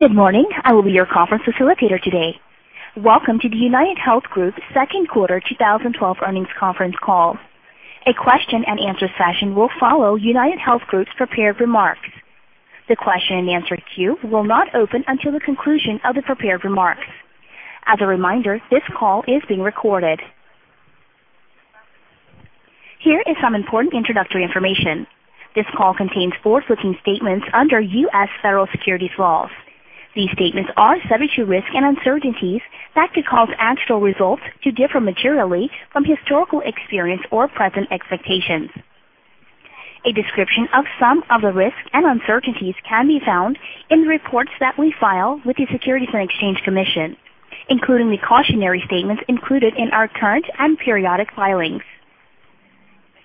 Good morning. I will be your conference facilitator today. Welcome to the UnitedHealth Group second quarter 2012 earnings conference call. A question and answer session will follow UnitedHealth Group's prepared remarks. The question and answer queue will not open until the conclusion of the prepared remarks. As a reminder, this call is being recorded. Here is some important introductory information. This call contains forward-looking statements under U.S. federal securities laws. These statements are subject to risks and uncertainties that could cause actual results to differ materially from historical experience or present expectations. A description of some of the risks and uncertainties can be found in the reports that we file with the Securities and Exchange Commission, including the cautionary statements included in our current and periodic filings.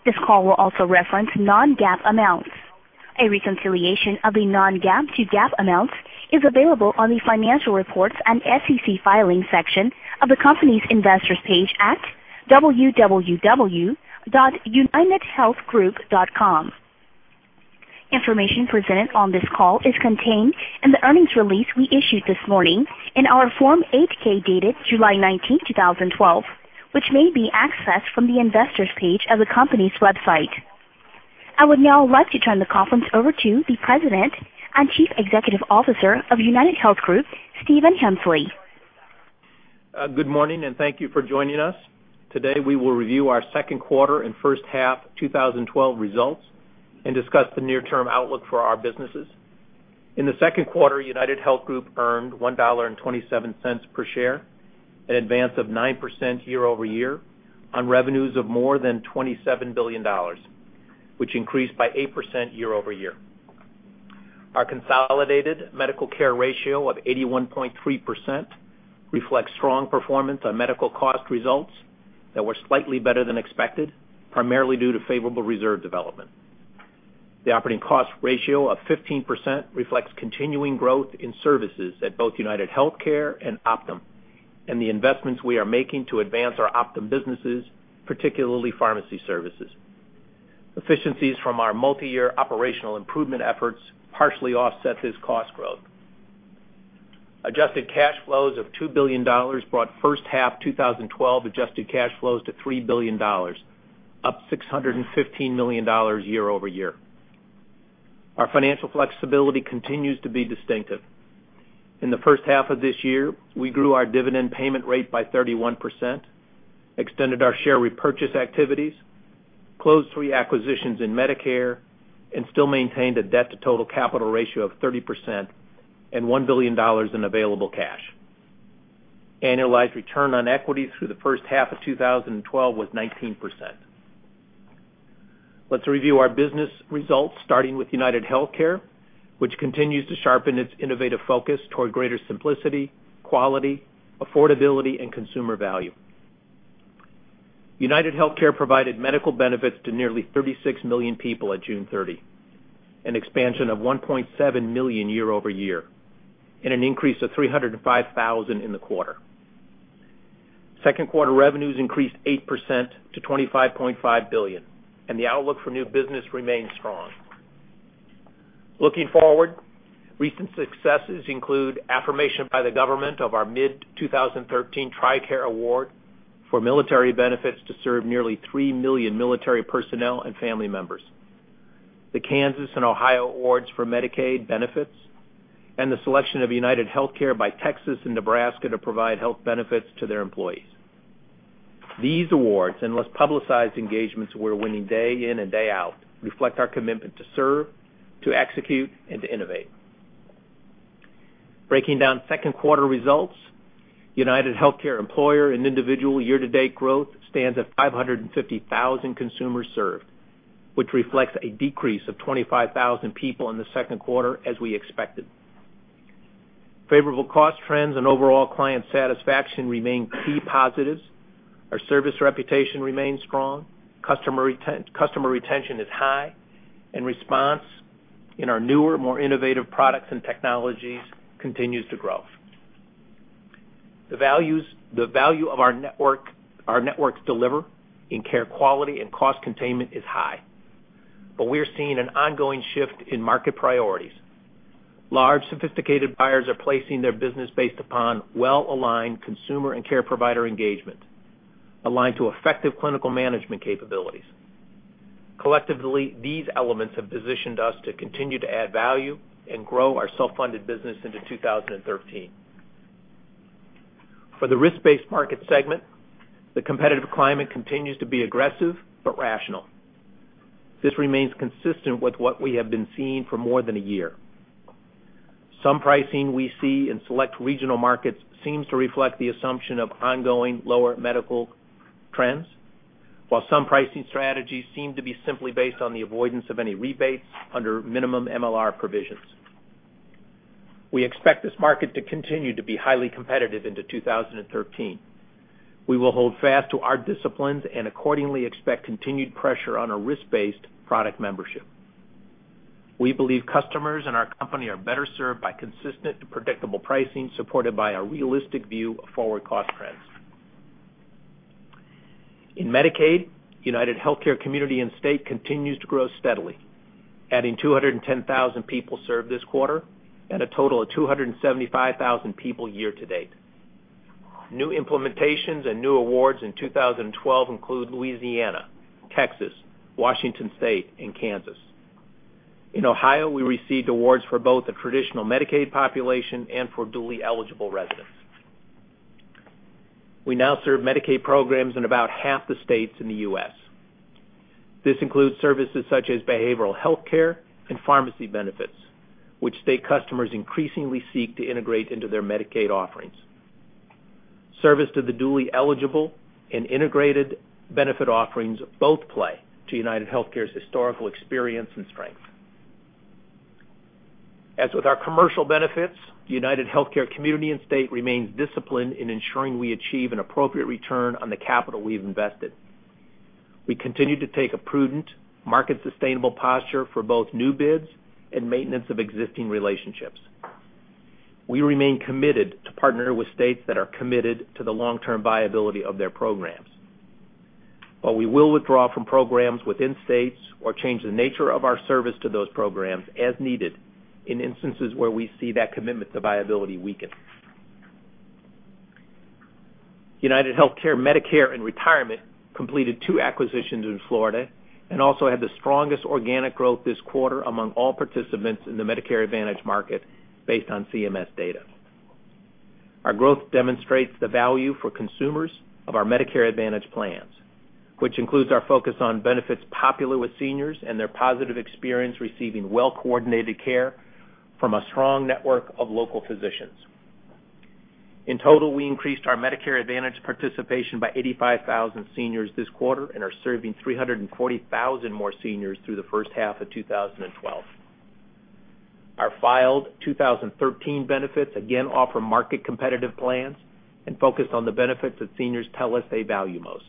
This call will also reference non-GAAP amounts. A reconciliation of the non-GAAP to GAAP amounts is available on the Financial Reports and SEC Filings section of the company's investors page at www.unitedhealthgroup.com. Information presented on this call is contained in the earnings release we issued this morning in our Form 8-K, dated July 19, 2012, which may be accessed from the Investors page of the company's website. I would now like to turn the conference over to the President and Chief Executive Officer of UnitedHealth Group, Stephen Hemsley. Good morning. Thank you for joining us. Today, we will review our second quarter and first half 2012 results and discuss the near-term outlook for our businesses. In the second quarter, UnitedHealth Group earned $1.27 per share, an advance of 9% year-over-year on revenues of more than $27 billion, which increased by 8% year-over-year. Our consolidated medical care ratio of 81.3% reflects strong performance on medical cost results that were slightly better than expected, primarily due to favorable reserve development. The operating cost ratio of 15% reflects continuing growth in services at both UnitedHealthcare and Optum, and the investments we are making to advance our Optum businesses, particularly pharmacy services. Efficiencies from our multi-year operational improvement efforts partially offset this cost growth. Adjusted cash flows of $2 billion brought first half 2012 adjusted cash flows to $3 billion, up $615 million year-over-year. Our financial flexibility continues to be distinctive. In the first half of this year, we grew our dividend payment rate by 31%, extended our share repurchase activities, closed three acquisitions in Medicare, and still maintained a debt-to-total capital ratio of 30% and $1 billion in available cash. Annualized return on equity through the first half of 2012 was 19%. Let's review our business results, starting with UnitedHealthcare, which continues to sharpen its innovative focus toward greater simplicity, quality, affordability, and consumer value. UnitedHealthcare provided medical benefits to nearly 36 million people at June 30, an expansion of 1.7 million year-over-year and an increase of 305,000 in the quarter. Second quarter revenues increased 8% to $25.5 billion, and the outlook for new business remains strong. Looking forward, recent successes include affirmation by the government of our mid-2013 TRICARE award for military benefits to serve nearly 3 million military personnel and family members. The Kansas and Ohio awards for Medicaid benefits and the selection of UnitedHealthcare by Texas and Nebraska to provide health benefits to their employees. These awards and less-publicized engagements we're winning day in and day out reflect our commitment to serve, to execute, and to innovate. Breaking down second quarter results, UnitedHealthcare Employer and Individual year-to-date growth stands at 550,000 consumers served, which reflects a decrease of 25,000 people in the second quarter as we expected. Favorable cost trends and overall client satisfaction remain key positives. Our service reputation remains strong. Customer retention is high, and response in our newer, more innovative products and technologies continues to grow. The value of our networks deliver in care quality and cost containment is high. We are seeing an ongoing shift in market priorities. Large, sophisticated buyers are placing their business based upon well-aligned consumer and care provider engagement, aligned to effective clinical management capabilities. Collectively, these elements have positioned us to continue to add value and grow our self-funded business into 2013. For the risk-based market segment, the competitive climate continues to be aggressive but rational. This remains consistent with what we have been seeing for more than a year. Some pricing we see in select regional markets seems to reflect the assumption of ongoing lower medical trends, while some pricing strategies seem to be simply based on the avoidance of any rebates under minimum MLR provisions. We expect this market to continue to be highly competitive into 2013. We will hold fast to our disciplines and accordingly expect continued pressure on our risk-based product membership. We believe customers and our company are better served by consistent and predictable pricing supported by a realistic view of forward cost trends. In Medicaid, UnitedHealthcare Community and State continues to grow steadily, adding 210,000 people served this quarter and a total of 275,000 people year-to-date. New implementations and new awards in 2012 include Louisiana, Texas, Washington State, and Kansas. In Ohio, we received awards for both the traditional Medicaid population and for dually eligible residents. We now serve Medicaid programs in about half the states in the U.S. This includes services such as behavioral health care and pharmacy benefits, which state customers increasingly seek to integrate into their Medicaid offerings. Service to the dually eligible and integrated benefit offerings both play to UnitedHealthcare's historical experience and strength. As with our commercial benefits, UnitedHealthcare Community and State remains disciplined in ensuring we achieve an appropriate return on the capital we've invested. We continue to take a prudent, market sustainable posture for both new bids and maintenance of existing relationships. We remain committed to partnering with states that are committed to the long-term viability of their programs. While we will withdraw from programs within states or change the nature of our service to those programs as needed in instances where we see that commitment to viability weaken. UnitedHealthcare Medicare and Retirement completed two acquisitions in Florida and also had the strongest organic growth this quarter among all participants in the Medicare Advantage market based on CMS data. Our growth demonstrates the value for consumers of our Medicare Advantage plans, which includes our focus on benefits popular with seniors and their positive experience receiving well-coordinated care from a strong network of local physicians. In total, we increased our Medicare Advantage participation by 85,000 seniors this quarter and are serving 340,000 more seniors through the first half of 2012. Our filed 2013 benefits again offer market competitive plans and focus on the benefits that seniors tell us they value most.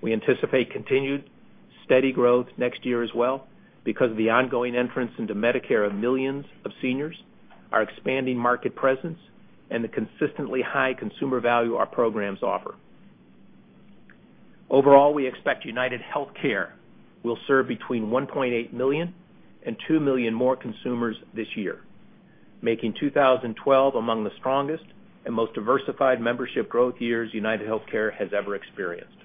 We anticipate continued steady growth next year as well because of the ongoing entrance into Medicare of millions of seniors, our expanding market presence, and the consistently high consumer value our programs offer. Overall, we expect UnitedHealthcare will serve between 1.8 million and 2 million more consumers this year, making 2012 among the strongest and most diversified membership growth years UnitedHealthcare has ever experienced.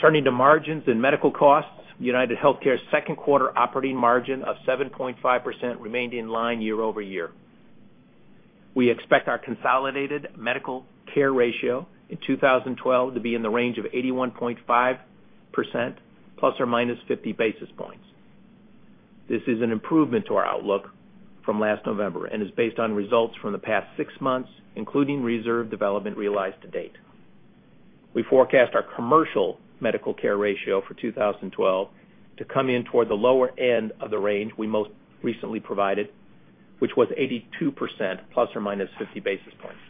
Turning to margins and medical costs, UnitedHealthcare's second quarter operating margin of 7.5% remained in line year-over-year. We expect our consolidated medical care ratio in 2012 to be in the range of 81.5% ± 50 basis points. This is an improvement to our outlook from last November and is based on results from the past six months, including reserve development realized to date. We forecast our commercial medical care ratio for 2012 to come in toward the lower end of the range we most recently provided, which was 82% ± 50 basis points.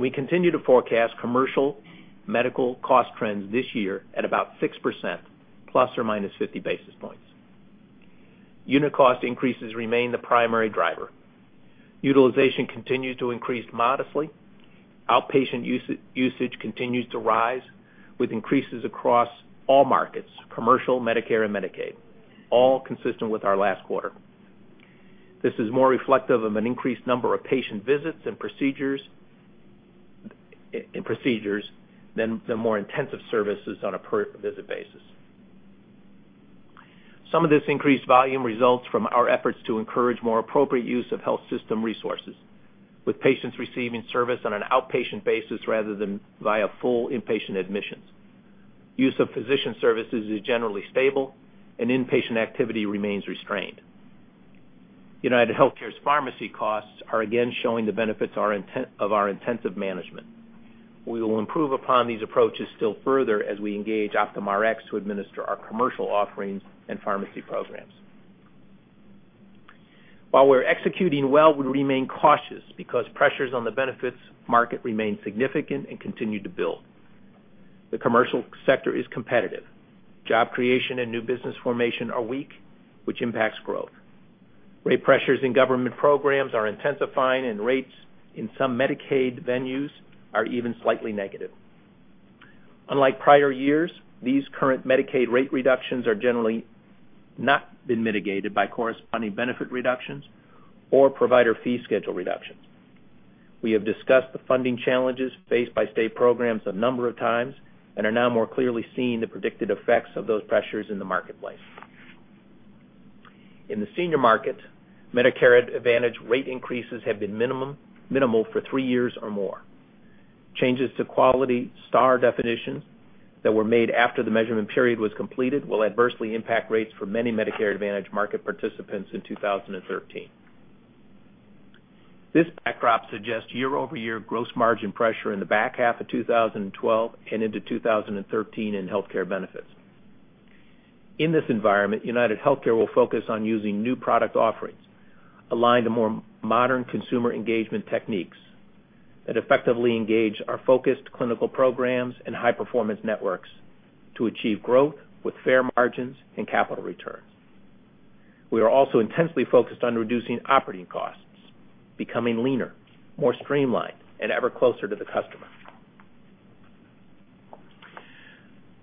We continue to forecast commercial medical cost trends this year at about 6% ± 50 basis points. Unit cost increases remain the primary driver. Utilization continues to increase modestly. Outpatient usage continues to rise with increases across all markets, commercial, Medicare, and Medicaid, all consistent with our last quarter. This is more reflective of an increased number of patient visits and procedures than the more intensive services on a per visit basis. Some of this increased volume results from our efforts to encourage more appropriate use of health system resources with patients receiving service on an outpatient basis rather than via full inpatient admissions. Use of physician services is generally stable and inpatient activity remains restrained. UnitedHealthcare's pharmacy costs are again showing the benefits of our intensive management. We will improve upon these approaches still further as we engage OptumRx to administer our commercial offerings and pharmacy programs. While we're executing well, we remain cautious because pressures on the benefits market remain significant and continue to build. The commercial sector is competitive. Job creation and new business formation are weak, which impacts growth. Rate pressures in government programs are intensifying and rates in some Medicaid venues are even slightly negative. Unlike prior years, these current Medicaid rate reductions are generally not been mitigated by corresponding benefit reductions or provider fee schedule reductions. We have discussed the funding challenges faced by state programs a number of times and are now more clearly seeing the predicted effects of those pressures in the marketplace. In the senior market, Medicare Advantage rate increases have been minimal for three years or more. Changes to quality star definitions that were made after the measurement period was completed will adversely impact rates for many Medicare Advantage market participants in 2013. This backdrop suggests year-over-year gross margin pressure in the back half of 2012 and into 2013 in healthcare benefits. In this environment, UnitedHealthcare will focus on using new product offerings aligned to more modern consumer engagement techniques that effectively engage our focused clinical programs and high performance networks to achieve growth with fair margins and capital returns. We are also intensely focused on reducing operating costs, becoming leaner, more streamlined, and ever closer to the customer.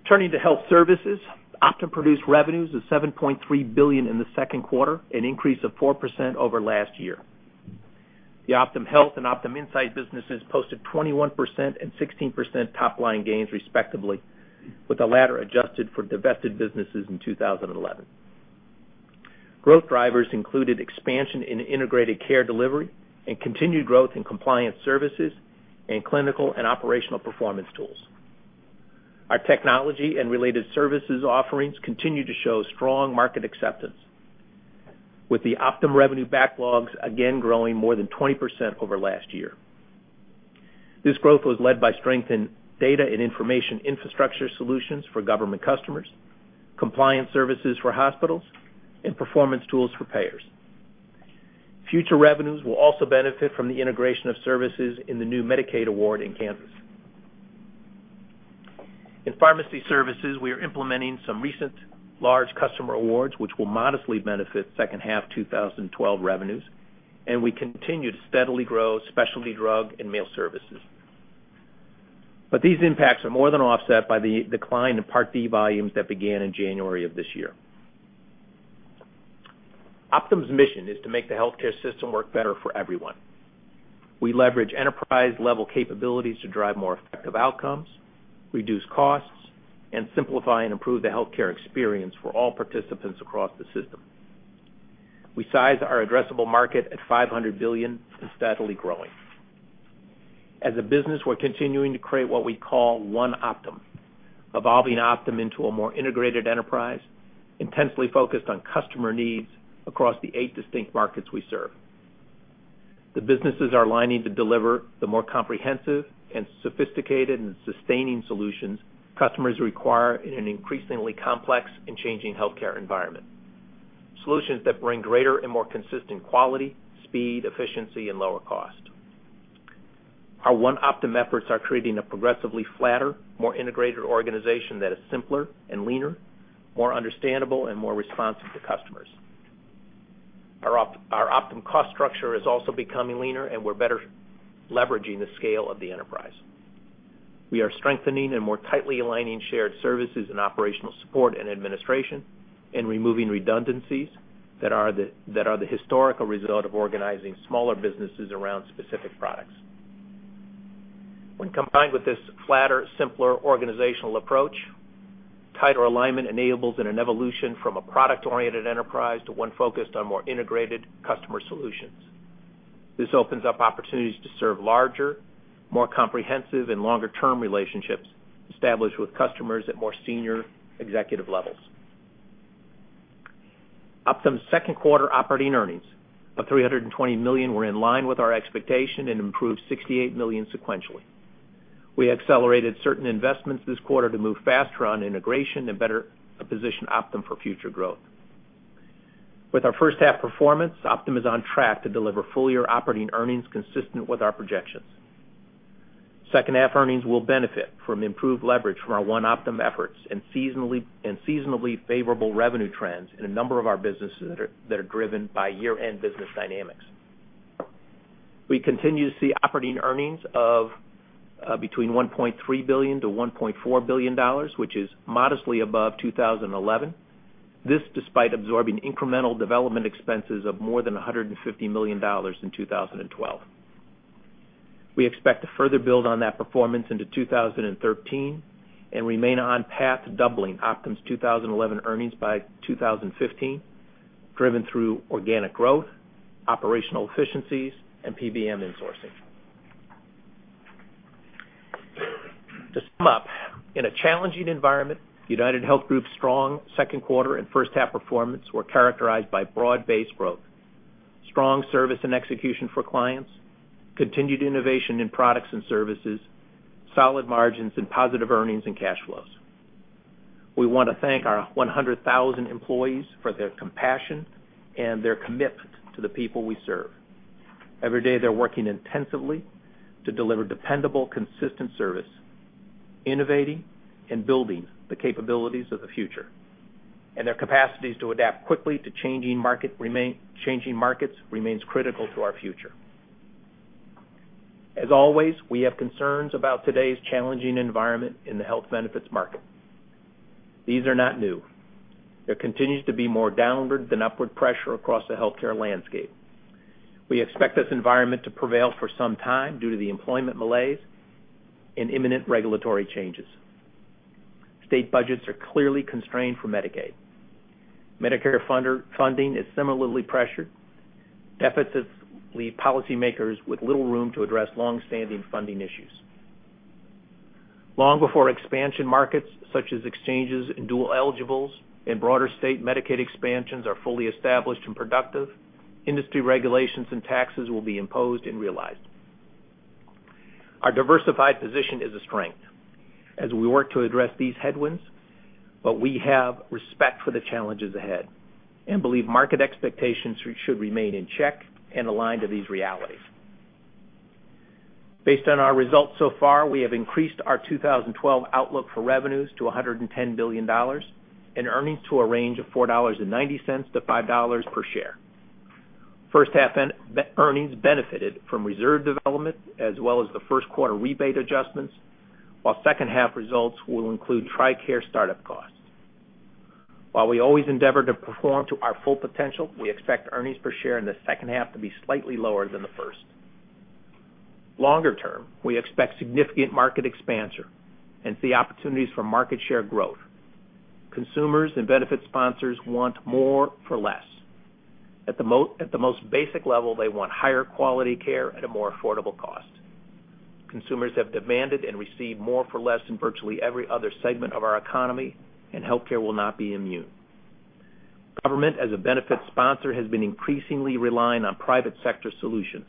Turning to health services, Optum produced revenues of $7.3 billion in the second quarter, an increase of 4% over last year. The OptumHealth and OptumInsight businesses posted 21% and 16% top-line gains respectively, with the latter adjusted for divested businesses in 2011. Growth drivers included expansion in integrated care delivery and continued growth in compliance services in clinical and operational performance tools. Our technology and related services offerings continue to show strong market acceptance, with the Optum revenue backlogs again growing more than 20% over last year. This growth was led by strength in data and information infrastructure solutions for government customers, compliance services for hospitals, and performance tools for payers. Future revenues will also benefit from the integration of services in the new Medicaid award in Kansas. In pharmacy services, we are implementing some recent large customer awards, which will modestly benefit second half 2012 revenues, and we continue to steadily grow specialty drug and mail services. These impacts are more than offset by the decline in Part D volumes that began in January of this year. Optum's mission is to make the healthcare system work better for everyone. We leverage enterprise-level capabilities to drive more effective outcomes, reduce costs, and simplify and improve the healthcare experience for all participants across the system. We size our addressable market at $500 billion and steadily growing. As a business, we're continuing to create what we call One Optum, evolving Optum into a more integrated enterprise, intensely focused on customer needs across the eight distinct markets we serve. The businesses are aligning to deliver the more comprehensive and sophisticated, and sustaining solutions customers require in an increasingly complex and changing healthcare environment. Solutions that bring greater and more consistent quality, speed, efficiency, and lower cost. Our One Optum efforts are creating a progressively flatter, more integrated organization that is simpler and leaner, more understandable and more responsive to customers. Our Optum cost structure is also becoming leaner, and we're better leveraging the scale of the enterprise. We are strengthening and more tightly aligning shared services and operational support and administration and removing redundancies that are the historical result of organizing smaller businesses around specific products. When combined with this flatter, simpler organizational approach, tighter alignment enables in an evolution from a product-oriented enterprise to one focused on more integrated customer solutions. This opens up opportunities to serve larger, more comprehensive, and longer-term relationships established with customers at more senior executive levels. Optum's second quarter operating earnings of $320 million were in line with our expectation and improved $68 million sequentially. We accelerated certain investments this quarter to move faster on integration and better position Optum for future growth. With our first half performance, Optum is on track to deliver full-year operating earnings consistent with our projections. Second half earnings will benefit from improved leverage from our One Optum efforts and seasonably favorable revenue trends in a number of our businesses that are driven by year-end business dynamics. We continue to see operating earnings of between $1.3 billion to $1.4 billion, which is modestly above 2011. This despite absorbing incremental development expenses of more than $150 million in 2012. We expect to further build on that performance into 2013 and remain on path to doubling Optum's 2011 earnings by 2015, driven through organic growth, operational efficiencies, and PBM insourcing. To sum up, in a challenging environment, UnitedHealth Group's strong second quarter and first half performance were characterized by broad-based growth, strong service and execution for clients, continued innovation in products and services, solid margins and positive earnings and cash flows. We want to thank our 100,000 employees for their compassion and their commitment to the people we serve. Every day, they're working intensively to deliver dependable, consistent service, innovating and building the capabilities of the future. Their capacities to adapt quickly to changing markets remains critical to our future. As always, we have concerns about today's challenging environment in the health benefits market. These are not new. There continues to be more downward than upward pressure across the healthcare landscape. We expect this environment to prevail for some time due to the employment malaise and imminent regulatory changes. State budgets are clearly constrained for Medicaid. Medicare funding is similarly pressured. Deficits leave policymakers with little room to address long-standing funding issues. Long before expansion markets such as exchanges and dual eligibles and broader state Medicaid expansions are fully established and productive, industry regulations and taxes will be imposed and realized. Our diversified position is a strength as we work to address these headwinds, but we have respect for the challenges ahead and believe market expectations should remain in check and aligned to these realities. Based on our results so far, we have increased our 2012 outlook for revenues to $110 billion and earnings to a range of $4.90 to $5 per share. First half earnings benefited from reserve development as well as the first quarter rebate adjustments, while second half results will include TRICARE startup costs. While we always endeavor to perform to our full potential, we expect earnings per share in the second half to be slightly lower than the first. Longer term, we expect significant market expansion and see opportunities for market share growth. Consumers and benefit sponsors want more for less. At the most basic level, they want higher quality care at a more affordable cost. Consumers have demanded and received more for less in virtually every other segment of our economy. Healthcare will not be immune. Government, as a benefit sponsor, has been increasingly relying on private sector solutions.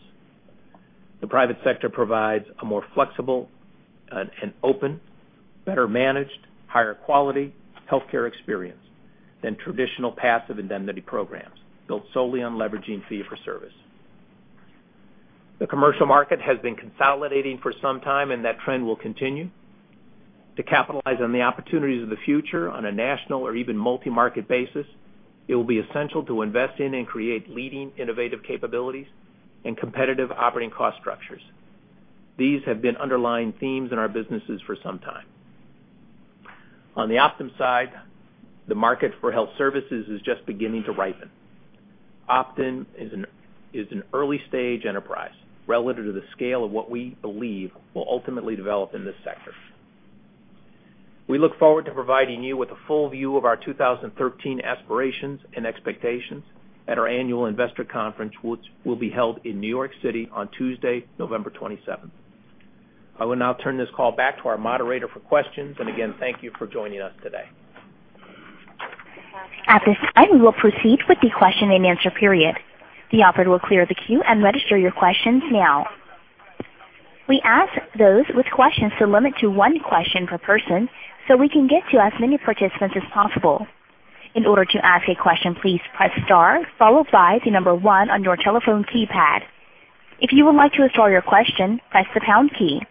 The private sector provides a more flexible and open, better managed, higher quality healthcare experience than traditional passive indemnity programs built solely on leveraging fee for service. The commercial market has been consolidating for some time. That trend will continue. To capitalize on the opportunities of the future on a national or even multi-market basis, it will be essential to invest in and create leading innovative capabilities and competitive operating cost structures. These have been underlying themes in our businesses for some time. On the Optum side, the market for health services is just beginning to ripen. Optum is an early stage enterprise relative to the scale of what we believe will ultimately develop in this sector. We look forward to providing you with a full view of our 2013 aspirations and expectations at our annual investor conference, which will be held in New York City on Tuesday, November 27th. I will now turn this call back to our moderator for questions. Again, thank you for joining us today. At this time, we will proceed with the question and answer period. The operator will clear the queue and register your questions now. We ask those with questions to limit to one question per person so we can get to as many participants as possible. In order to ask a question, please press star followed by the number one on your telephone keypad. If you would like to withdraw your question, press the pound key.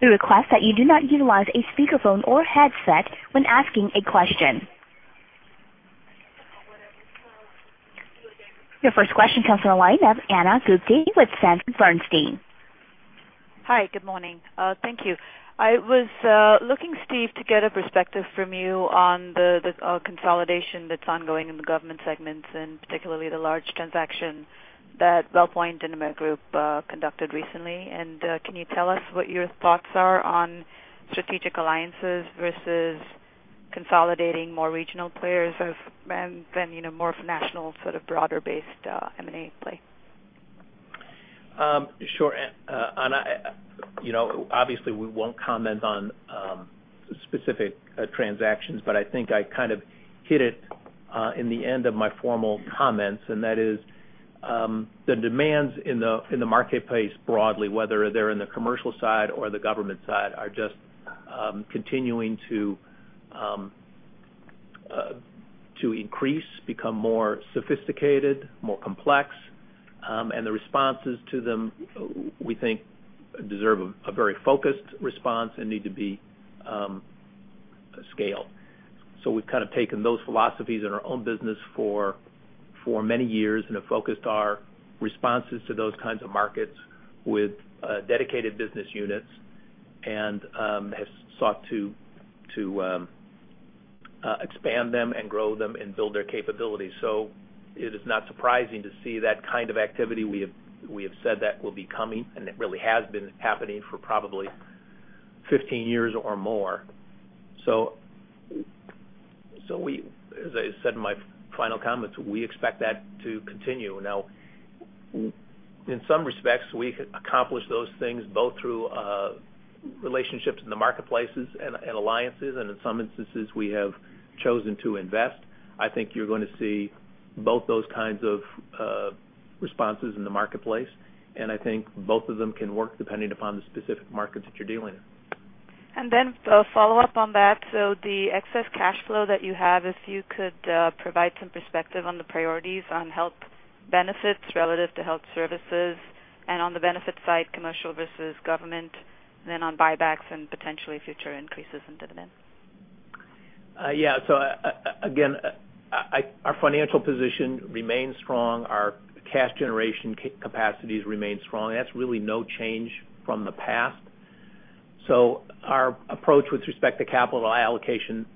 We request that you do not utilize a speakerphone or headset when asking a question. Your first question comes on the line of Ana Gupte with Sanford C. Bernstein. Hi, good morning. Thank you. I was looking, Steve, to get a perspective from you on the consolidation that's ongoing in the government segments, particularly the large transaction that WellPoint and Amerigroup conducted recently. Can you tell us what your thoughts are on strategic alliances versus consolidating more regional players than more of a national sort of broader based M&A play? Sure. Ana, obviously we won't comment on specific transactions, I think I kind of hit it in the end of my formal comments, that is the demands in the marketplace broadly, whether they're in the commercial side or the government side, are just continuing to increase, become more sophisticated, more complex, the responses to them, we think, deserve a very focused response and need to be scaled. We've kind of taken those philosophies in our own business for many years have focused our responses to those kinds of markets with dedicated business units have sought to expand them and grow them and build their capabilities. It is not surprising to see that kind of activity. We have said that will be coming, it really has been happening for probably 15 years or more. As I said in my final comments, we expect that to continue. Now, in some respects, we accomplish those things both through relationships in the marketplaces alliances, in some instances, we have chosen to invest. I think you're going to see both those kinds of responses in the marketplace, I think both of them can work depending upon the specific markets that you're dealing in. a follow-up on that. The excess cash flow that you have, if you could provide some perspective on the priorities on health benefits relative to health services and on the benefit side, commercial versus government, then on buybacks and potentially future increases in dividends. Again, our financial position remains strong. Our cash generation capacities remain strong. That's really no change from the past. Our approach with respect to capital allocation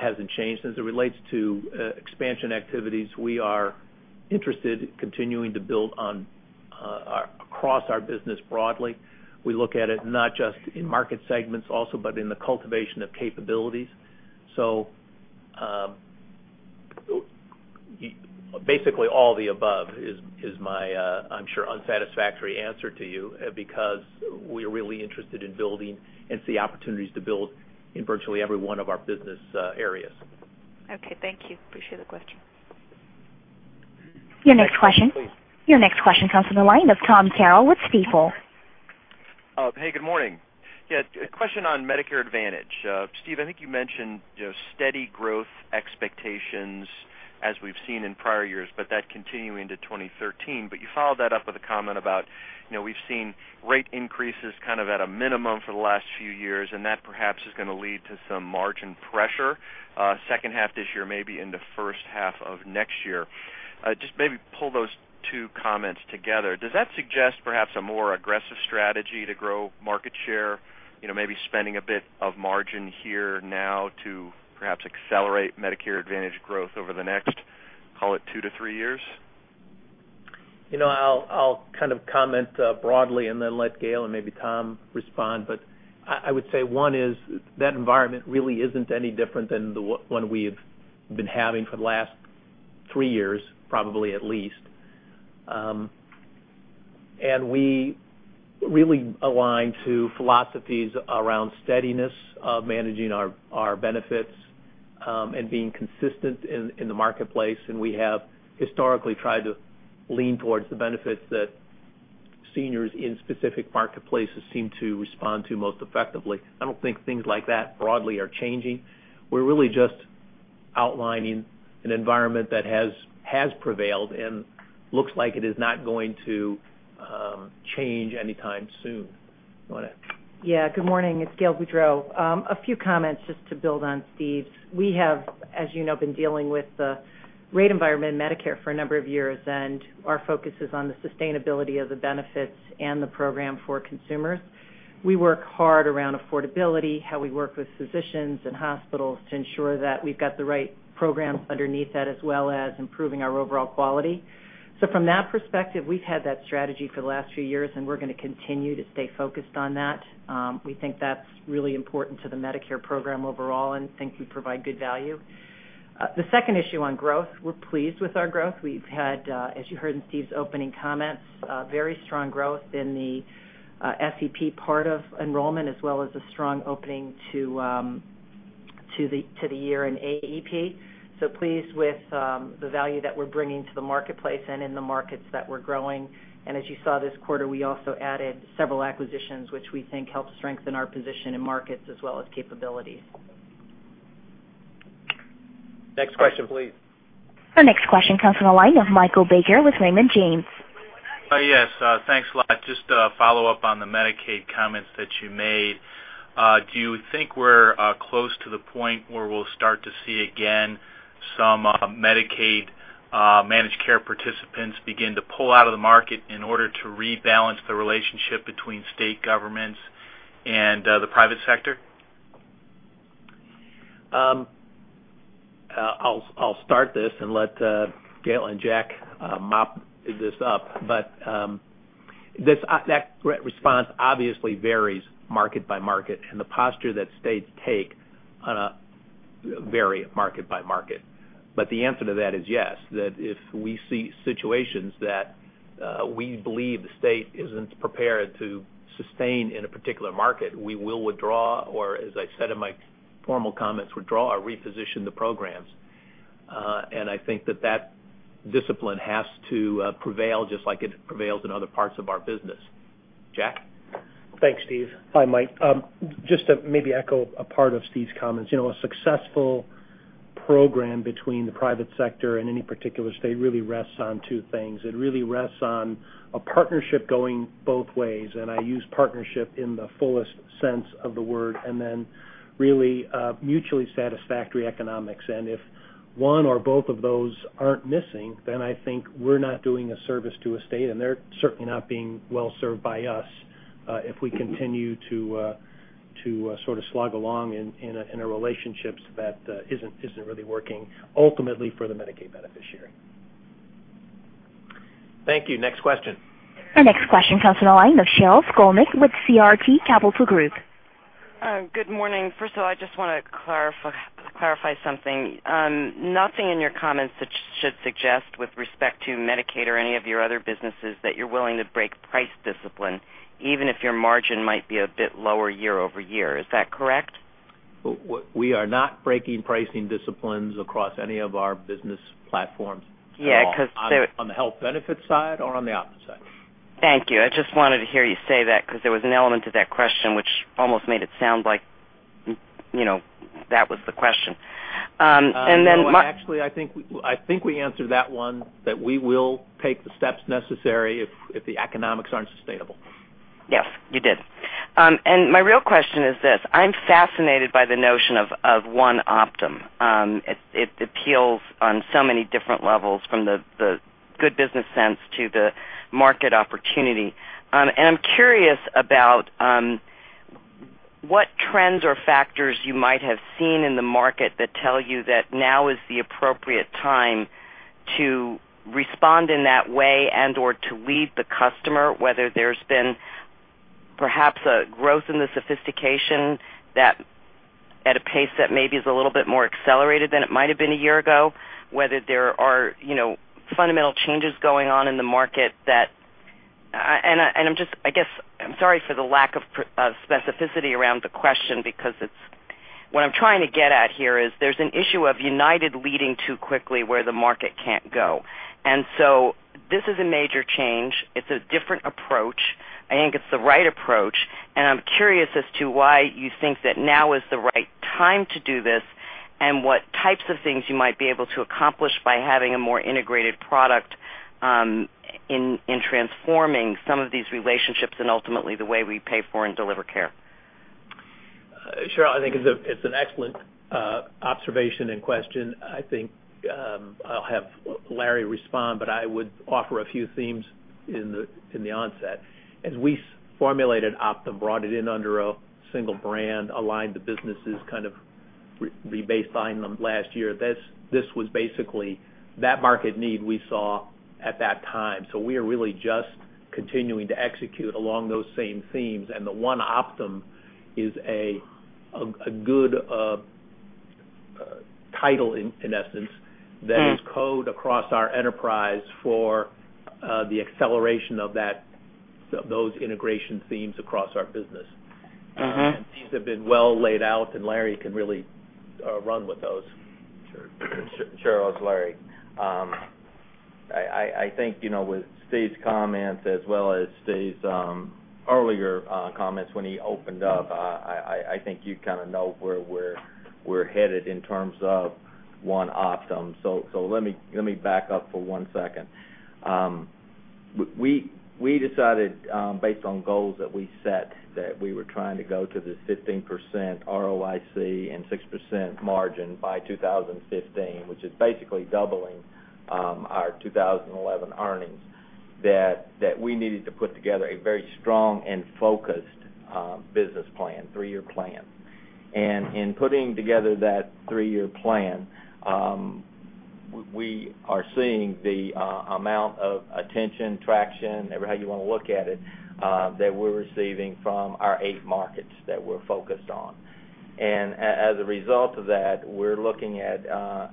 hasn't changed. As it relates to expansion activities, we are interested continuing to build across our business broadly. We look at it not just in market segments also, but in the cultivation of capabilities. Basically all the above is my, I'm sure, unsatisfactory answer to you, because we're really interested in building and see opportunities to build in virtually every one of our business areas. Thank you. Appreciate the question. Your next question. Next question, please. Your next question comes from the line of Tom Carroll with Stifel. Hey, good morning. A question on Medicare Advantage. Steve, I think you mentioned steady growth expectations as we've seen in prior years, but that continuing to 2013. You followed that up with a comment about, we've seen rate increases at a minimum for the last few years, and that perhaps is going to lead to some margin pressure, second half this year, maybe in the first half of next year. Just maybe pull those two comments together. Does that suggest perhaps a more aggressive strategy to grow market share? Maybe spending a bit of margin here now to perhaps accelerate Medicare Advantage growth over the next, call it two to three years? I'll comment broadly and then let Gail and maybe Tom respond. I would say one is that environment really isn't any different than the one we've been having for the last three years, probably at least. We really align to philosophies around steadiness of managing our benefits, and being consistent in the marketplace. We have historically tried to lean towards the benefits that seniors in specific marketplaces seem to respond to most effectively. I don't think things like that broadly are changing. We're really just outlining an environment that has prevailed and looks like it is not going to change anytime soon. Go ahead. Good morning, it's Gail Boudreaux. A few comments just to build on Steve's. We have, as you know, been dealing with the rate environment in Medicare for a number of years, and our focus is on the sustainability of the benefits and the program for consumers. We work hard around affordability, how we work with physicians and hospitals to ensure that we've got the right programs underneath that, as well as improving our overall quality. From that perspective, we've had that strategy for the last few years, and we're going to continue to stay focused on that. We think that's really important to the Medicare program overall and think we provide good value. The second issue on growth, we're pleased with our growth. We've had, as you heard in Steve's opening comments, very strong growth in the SEP part of enrollment, as well as a strong opening to the year in AEP. Pleased with the value that we're bringing to the marketplace and in the markets that we're growing. As you saw this quarter, we also added several acquisitions, which we think help strengthen our position in markets as well as capabilities. Next question, please. Our next question comes from the line of Michael Baker with Raymond James. Yes, thanks a lot. Just a follow-up on the Medicaid comments that you made. Do you think we're close to the point where we'll start to see again some Medicaid managed care participants begin to pull out of the market in order to rebalance the relationship between state governments and the private sector? I'll start this and let Gail and Jack mop this up. That response obviously varies market by market, and the posture that states take on vary market by market. The answer to that is yes, that if we see situations that we believe the state isn't prepared to sustain in a particular market, we will withdraw or, as I said in my formal comments, withdraw or reposition the programs. I think that that discipline has to prevail, just like it prevails in other parts of our business. Jack? Thanks, Steve. Hi, Mike. Just to maybe echo a part of Steve's comments. A successful program between the private sector and any particular state really rests on two things. It really rests on a partnership going both ways, and I use partnership in the fullest sense of the word, then really mutually satisfactory economics. If one or both of those aren't missing, then I think we're not doing a service to a state, and they're certainly not being well-served by us, if we continue to sort of slog along in a relationships that isn't really working ultimately for the Medicaid beneficiary. Thank you. Next question. Our next question comes from the line of Sheryl Skolnick with CRT Capital Group. Good morning. First of all, I just want to clarify something. Nothing in your comments should suggest with respect to Medicaid or any of your other businesses that you're willing to break price discipline, even if your margin might be a bit lower year-over-year. Is that correct? We are not breaking pricing disciplines across any of our business platforms at all. Yeah, because there- On the health benefits side or on the Optum side? Thank you. I just wanted to hear you say that because there was an element to that question which almost made it sound like that was the question. Actually, I think we answered that one, that we will take the steps necessary if the economics aren't sustainable. Yes, you did. My real question is this. I'm fascinated by the notion of One Optum. It appeals on so many different levels, from the good business sense to the market opportunity. I'm curious about what trends or factors you might have seen in the market that tell you that now is the appropriate time to respond in that way and/or to lead the customer, whether there's been perhaps a growth in the sophistication at a pace that maybe is a little bit more accelerated than it might have been a year ago, whether there are fundamental changes going on in the market. I guess I'm sorry for the lack of specificity around the question because it's What I'm trying to get at here is there's an issue of United leading too quickly where the market can't go. This is a major change. It's a different approach. I think it's the right approach, and I'm curious as to why you think that now is the right time to do this, and what types of things you might be able to accomplish by having a more integrated product, in transforming some of these relationships and ultimately the way we pay for and deliver care. Sheryl, I think it's an excellent observation and question. I think I'll have Larry respond, but I would offer a few themes in the onset. As we formulated Optum, brought it in under a single brand, aligned the businesses, rebased buying them last year. This was basically that market need we saw at that time. We are really just continuing to execute along those same themes, and the One Optum is a good title, in essence, that is code across our enterprise for the acceleration of those integration themes across our business. These have been well laid out, and Larry can really run with those. Sure, it's Larry. I think, with Steve's comments as well as Steve's earlier comments when he opened up, I think you kind of know where we're headed in terms of One Optum. Let me back up for one second. We decided, based on goals that we set, that we were trying to go to this 15% ROIC and 6% margin by 2015, which is basically doubling our 2011 earnings, that we needed to put together a very strong and focused business plan, three-year plan. In putting together that three-year plan, we are seeing the amount of attention, traction, however you want to look at it, that we're receiving from our eight markets that we're focused on. As a result of that, we're looking at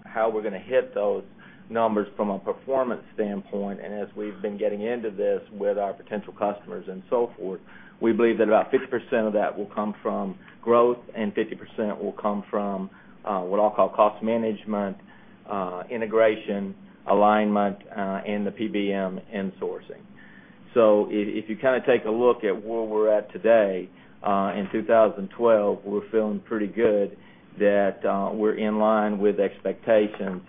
how we're going to hit those numbers from a performance standpoint. As we've been getting into this with our potential customers and so forth, we believe that about 50% of that will come from growth, and 50% will come from what I'll call cost management, integration, alignment, and the PBM insourcing. If you take a look at where we're at today, in 2012, we're feeling pretty good that we're in line with expectations.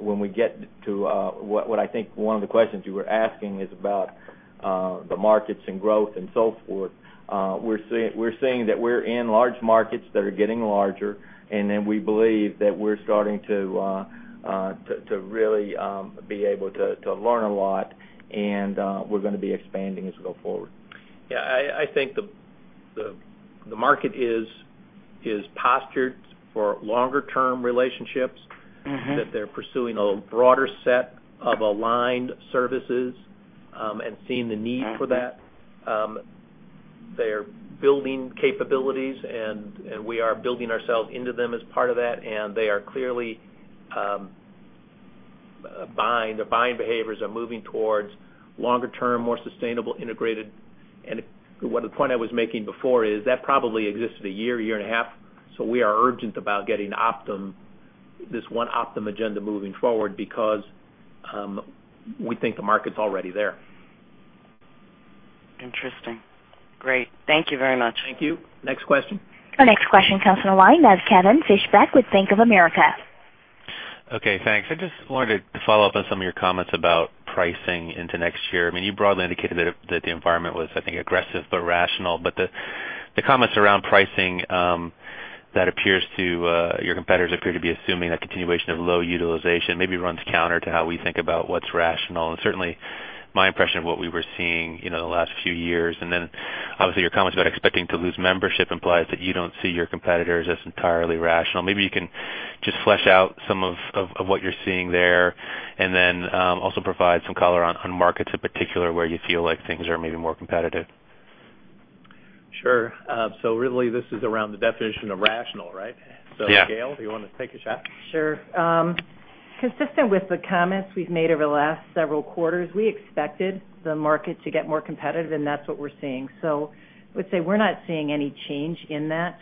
When we get to what I think one of the questions you were asking is about the markets and growth and so forth, we're seeing that we're in large markets that are getting larger, and then we believe that we're starting to really be able to learn a lot, and we're going to be expanding as we go forward. I think the market is postured for longer term relationships, that they're pursuing a broader set of aligned services, and seeing the need for that. They're building capabilities, and we are building ourselves into them as part of that, and they are clearly buying. Their buying behaviors are moving towards longer term, more sustainable, integrated. The point I was making before is that probably existed a year and a half, so we are urgent about getting this One Optum agenda moving forward because we think the market's already there. Interesting. Great. Thank you very much. Thank you. Next question. Our next question comes from the line of Kevin Fischbeck with Bank of America. Okay, thanks. I just wanted to follow up on some of your comments about pricing into next year. You broadly indicated that the environment was, I think, aggressive but rational. The comments around pricing, your competitors appear to be assuming a continuation of low utilization, maybe runs counter to how we think about what's rational, and certainly my impression of what we were seeing the last few years. Obviously, your comments about expecting to lose membership implies that you don't see your competitors as entirely rational. Maybe you can just flesh out some of what you're seeing there, and then also provide some color on markets in particular where you feel like things are maybe more competitive. Sure. Really this is around the definition of rational, right? Yeah. Gail, do you want to take a shot? Sure. Consistent with the comments we've made over the last several quarters, we expected the market to get more competitive, and that's what we're seeing. I would say we're not seeing any change in that.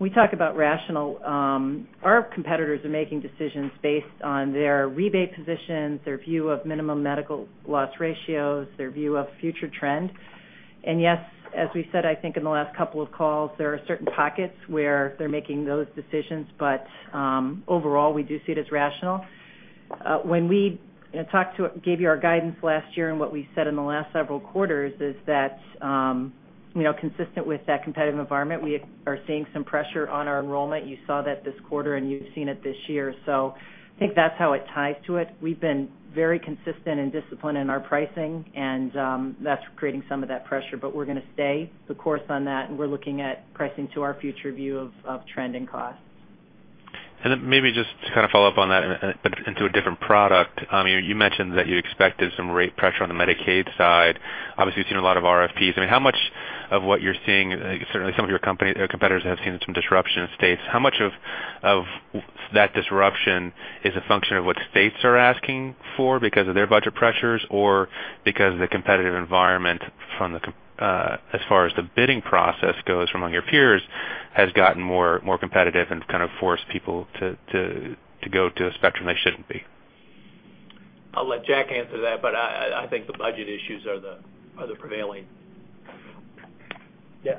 We talk about rational. Our competitors are making decisions based on their rebate positions, their view of minimum medical loss ratios, their view of future trend. Yes, as we said, I think in the last couple of calls, there are certain pockets where they're making those decisions. Overall, we do see it as rational. When we gave you our guidance last year and what we said in the last several quarters is that, consistent with that competitive environment, we are seeing some pressure on our enrollment. You saw that this quarter and you've seen it this year. I think that's how it ties to it. We've been very consistent and disciplined in our pricing, and that's creating some of that pressure, but we're going to stay the course on that, and we're looking at pricing to our future view of trending costs. Maybe just to follow up on that into a different product. You mentioned that you expected some rate pressure on the Medicaid side. Obviously, you've seen a lot of RFPs. Certainly some of your competitors have seen some disruption in states. How much of that disruption is a function of what states are asking for because of their budget pressures or because of the competitive environment as far as the bidding process goes from among your peers, has gotten more competitive and kind of forced people to go to a spectrum they shouldn't be? I'll let Jack answer that, but I think the budget issues are the prevailing. Yeah,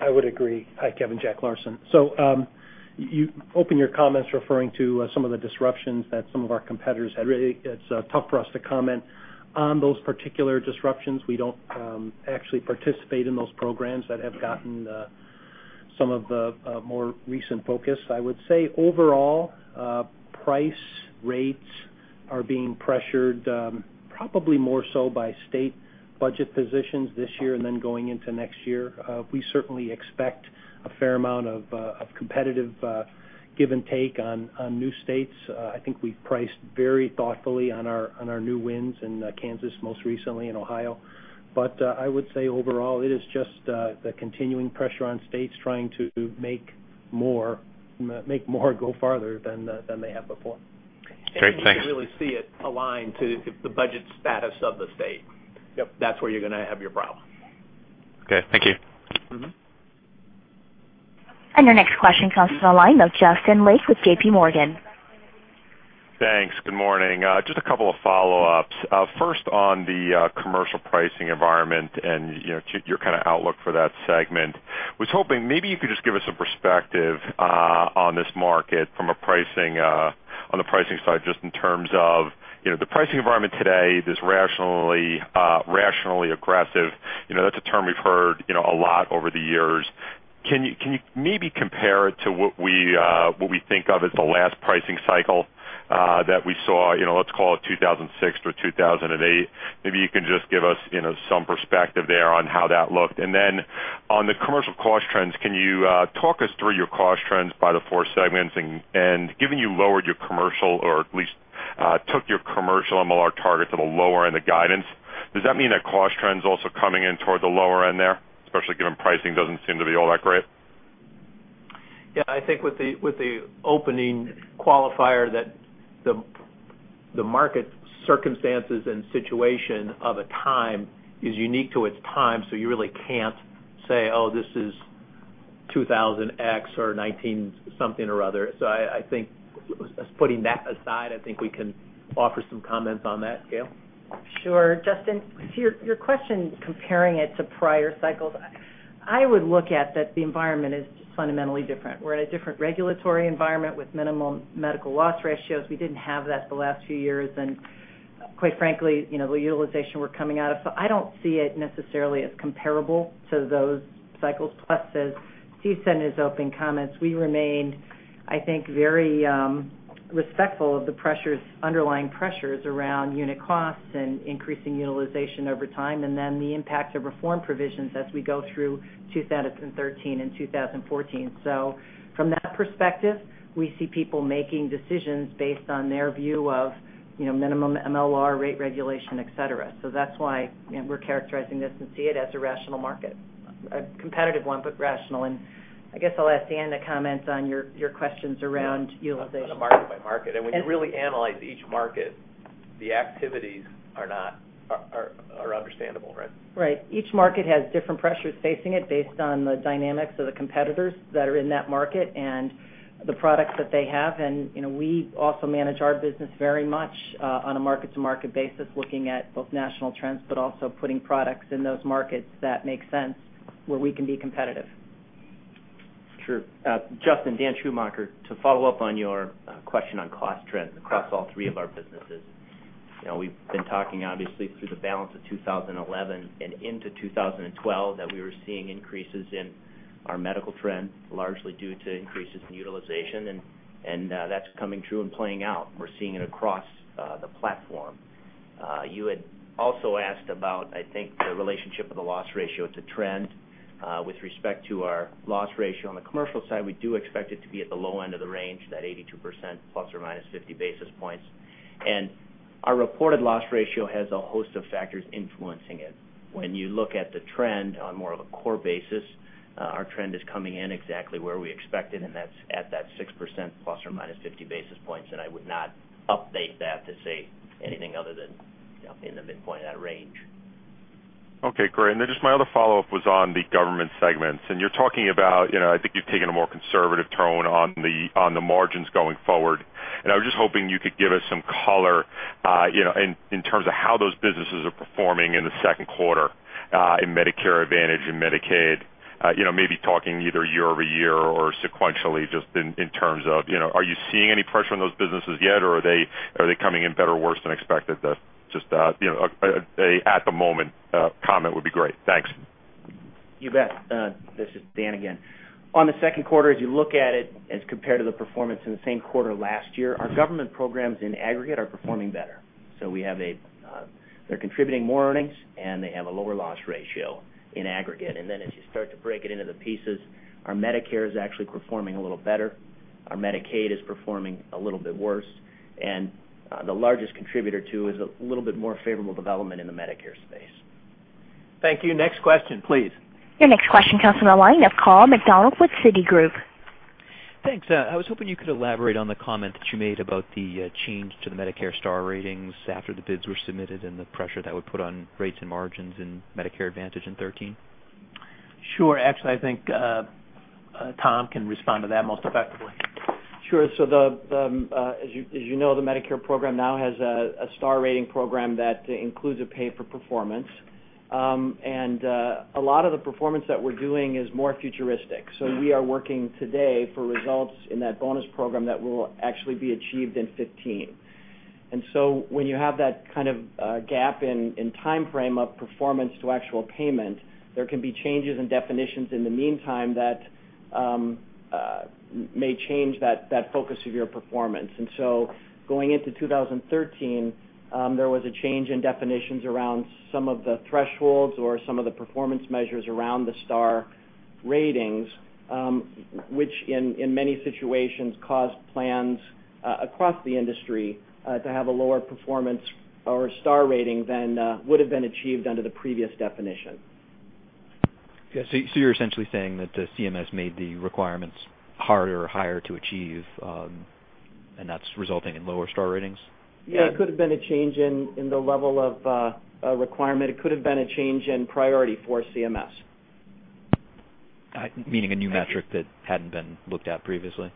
I would agree. Hi, Kevin, Jack Larsen. You open your comments referring to some of the disruptions that some of our competitors had. Really, it's tough for us to comment on those particular disruptions. We don't actually participate in those programs that have gotten some of the more recent focus. I would say overall, price rates are being pressured, probably more so by state budget positions this year and then going into next year. We certainly expect a fair amount of competitive give and take on new states. I think we've priced very thoughtfully on our new wins in Kansas, most recently in Ohio. I would say overall, it is just the continuing pressure on states trying to make more go farther than they have before. Great. Thanks. You can really see it aligned to the budget status of the state. Yep. That's where you're going to have your problem. Okay. Thank you. Your next question comes from the line of Justin Lake with J.P. Morgan. Thanks. Good morning. Just a couple of follow-ups. First, on the commercial pricing environment and your kind of outlook for that segment. Was hoping maybe you could just give us a perspective on this market on the pricing side, just in terms of the pricing environment today, this rationally aggressive. That's a term we've heard a lot over the years. Can you maybe compare it to what we think of as the last pricing cycle that we saw, let's call it 2006 or 2008. Maybe you can just give us some perspective there on how that looked. Then on the commercial cost trends, can you talk us through your cost trends by the four segments? Given you lowered your commercial or at least took your commercial MLR target to the lower end of guidance, does that mean that cost trends also coming in toward the lower end there, especially given pricing doesn't seem to be all that great? Yeah, I think with the opening qualifier that the market circumstances and situation of a time is unique to its time, so you really can't say, "Oh, this is 2000X or 19 something or other." I think putting that aside, I think we can offer some comments on that. Gail? Sure. Justin, your question comparing it to prior cycles, I would look at that the environment is fundamentally different. We're at a different regulatory environment with minimum medical loss ratios. We didn't have that the last few years. Quite frankly, the utilization we're coming out of. I don't see it necessarily as comparable to those cycles. As Steve said in his opening comments, we remained, I think, very respectful of the underlying pressures around unit costs and increasing utilization over time, and then the impact of reform provisions as we go through 2013 and 2014. From that perspective, we see people making decisions based on their view of minimum MLR rate regulation, et cetera. That's why we're characterizing this and see it as a rational market, a competitive one, but rational. I guess I'll ask Dan to comment on your questions around utilization. On a market by market. When you really analyze each market, the activities are understandable, right? Right. Each market has different pressures facing it based on the dynamics of the competitors that are in that market and the products that they have. We also manage our business very much on a market-to-market basis, looking at both national trends, but also putting products in those markets that make sense where we can be competitive. Sure. Justin, Daniel Schumacher. To follow up on your question on cost trends across all three of our businesses. We've been talking obviously through the balance of 2011 and into 2012 that we were seeing increases in our medical trend, largely due to increases in utilization, and that's coming true and playing out. We're seeing it across the platform. You had also asked about, I think, the relationship of the loss ratio to trend. With respect to our loss ratio on the commercial side, we do expect it to be at the low end of the range, that 82% ± 50 basis points. Our reported loss ratio has a host of factors influencing it. When you look at the trend on more of a core basis, our trend is coming in exactly where we expected, and that's at that 6% ± 50 basis points, I would not update that to say anything other than in the midpoint of that range. Okay, great. Just my other follow-up was on the government segments. You're talking about, I think you've taken a more conservative tone on the margins going forward. I was just hoping you could give us some color in terms of how those businesses are performing in the second quarter, in Medicare Advantage and Medicaid. Maybe talking either year-over-year or sequentially, just in terms of are you seeing any pressure on those businesses yet, or are they coming in better or worse than expected? Just an at the moment comment would be great. Thanks. You bet. This is Dan again. On the second quarter, as you look at it as compared to the performance in the same quarter last year, our government programs in aggregate are performing better. They're contributing more earnings, and they have a lower loss ratio in aggregate. As you start to break it into the pieces, our Medicare is actually performing a little better. Our Medicaid is performing a little bit worse. The largest contributor, too, is a little bit more favorable development in the Medicare space. Thank you. Next question, please. Your next question comes from the line of Carl McDonald with Citigroup. Thanks. I was hoping you could elaborate on the comment that you made about the change to the Medicare star ratings after the bids were submitted and the pressure that would put on rates and margins in Medicare Advantage in 2013. Sure. Actually, I think Tom can respond to that most effectively. Sure. As you know, the Medicare program now has a Star Rating Program that includes a pay for performance. A lot of the performance that we're doing is more futuristic. We are working today for results in that bonus program that will actually be achieved in 2015. When you have that kind of gap in timeframe of performance to actual payment, there can be changes in definitions in the meantime that may change that focus of your performance. Going into 2013, there was a change in definitions around some of the thresholds or some of the performance measures around the Star Ratings, which in many situations caused plans across the industry to have a lower performance or Star Rating than would've been achieved under the previous definition. Okay, you're essentially saying that the CMS made the requirements harder or higher to achieve, and that's resulting in lower Star Ratings? Yeah. It could have been a change in the level of requirement. It could have been a change in priority for CMS. Meaning a new metric that hadn't been looked at previously?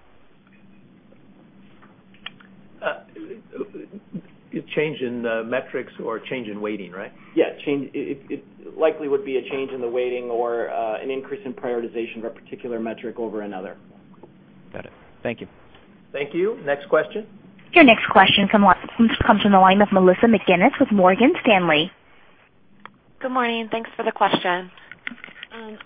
A change in the metrics or a change in weighting, right? Yeah. It likely would be a change in the weighting or an increase in prioritization of a particular metric over another. Got it. Thank you. Thank you. Next question. Your next question comes from the line of Melissa McGinnis with Morgan Stanley. Good morning. Thanks for the question.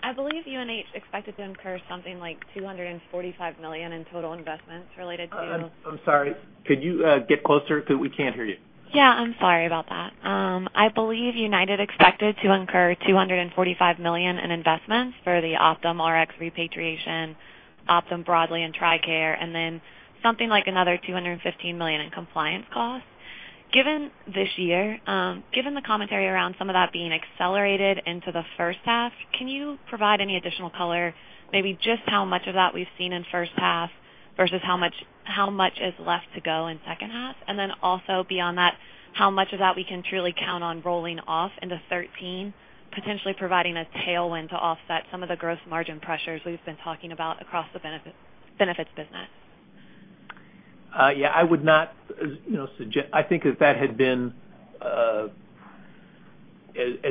I believe UNH expected to incur something like $245 million in total investments related to. I'm sorry. Could you get closer? We can't hear you. Yeah, I'm sorry about that. I believe United expected to incur $245 million in investments for the Optum Rx repatriation, Optum broadly and TRICARE, something like another $215 million in compliance costs. Given this year, given the commentary around some of that being accelerated into the first half, can you provide any additional color, maybe just how much of that we've seen in first half versus how much is left to go in second half? Also beyond that, how much of that we can truly count on rolling off into 2013, potentially providing a tailwind to offset some of the gross margin pressures we've been talking about across the benefits business? I think if that had been as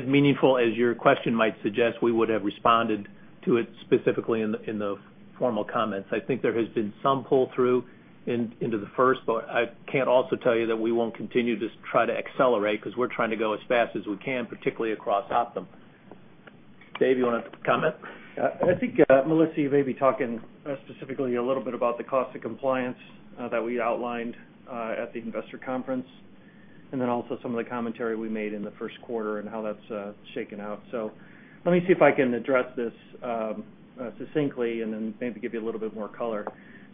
meaningful as your question might suggest, we would have responded to it specifically in the formal comments. I think there has been some pull-through into the first, but I can't also tell you that we won't continue to try to accelerate because we're trying to go as fast as we can, particularly across Optum. Dave, you want to comment? I think, Melissa, you may be talking specifically a little bit about the cost of compliance that we outlined at the investor conference, and then also some of the commentary we made in the first quarter and how that's shaken out. Let me see if I can address this succinctly and then maybe give you a little bit more color.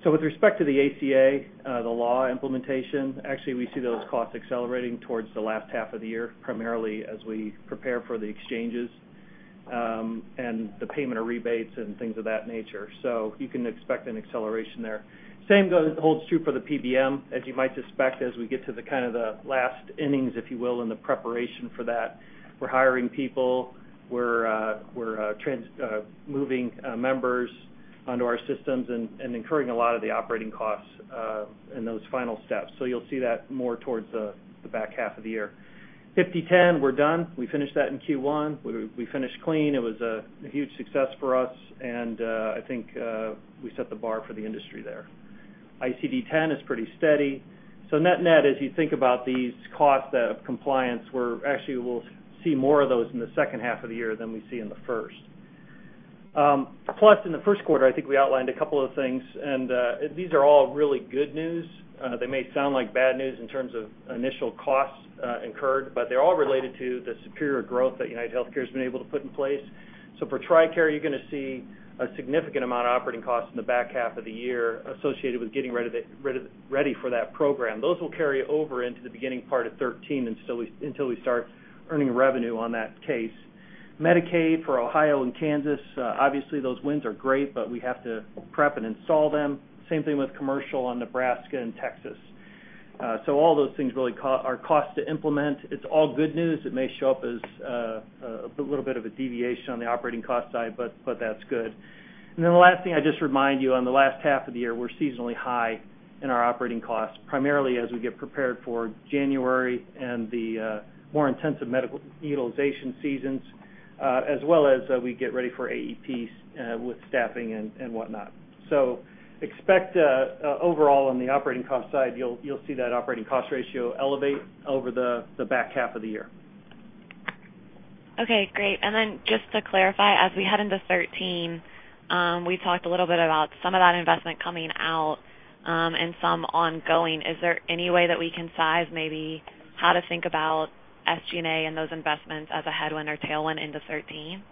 With respect to the ACA, the law implementation, actually, we see those costs accelerating towards the last half of the year, primarily as we prepare for the exchanges, and the payment of rebates and things of that nature. You can expect an acceleration there. Same holds true for the PBM, as you might suspect, as we get to the last innings, if you will, in the preparation for that. We're hiring people. We're moving members onto our systems and incurring a lot of the operating costs in those final steps. You'll see that more towards the back half of the year. 5010, we're done. We finished that in Q1. We finished clean. It was a huge success for us, and I think we set the bar for the industry there. ICD-10 is pretty steady. Net-net, as you think about these costs of compliance, actually we'll see more of those in the second half of the year than we see in the first. Plus, in the first quarter, I think we outlined a couple of things, and these are all really good news. They may sound like bad news in terms of initial costs incurred, but they're all related to the superior growth that UnitedHealthcare's been able to put in place. For TRICARE, you're going to see a significant amount of operating costs in the back half of the year associated with getting ready for that program. Those will carry over into the beginning part of 2013 until we start earning revenue on that case. Medicaid for Ohio and Kansas, obviously those wins are great, but we have to prep and install them. Same thing with commercial on Nebraska and Texas. All those things really are costs to implement. It's all good news. It may show up as a little bit of a deviation on the operating cost side, but that's good. The last thing I would just remind you, on the last half of the year, we're seasonally high in our operating costs, primarily as we get prepared for January and the more intensive medical utilization seasons, as well as we get ready for AEPs with staffing and whatnot. Expect overall on the operating cost side, you'll see that operating cost ratio elevate over the back half of the year. Okay, great. Just to clarify, as we head into 2013, we talked a little bit about some of that investment coming out and some ongoing. Is there any way that we can size maybe how to think about SG&A and those investments as a headwind or tailwind into 2013?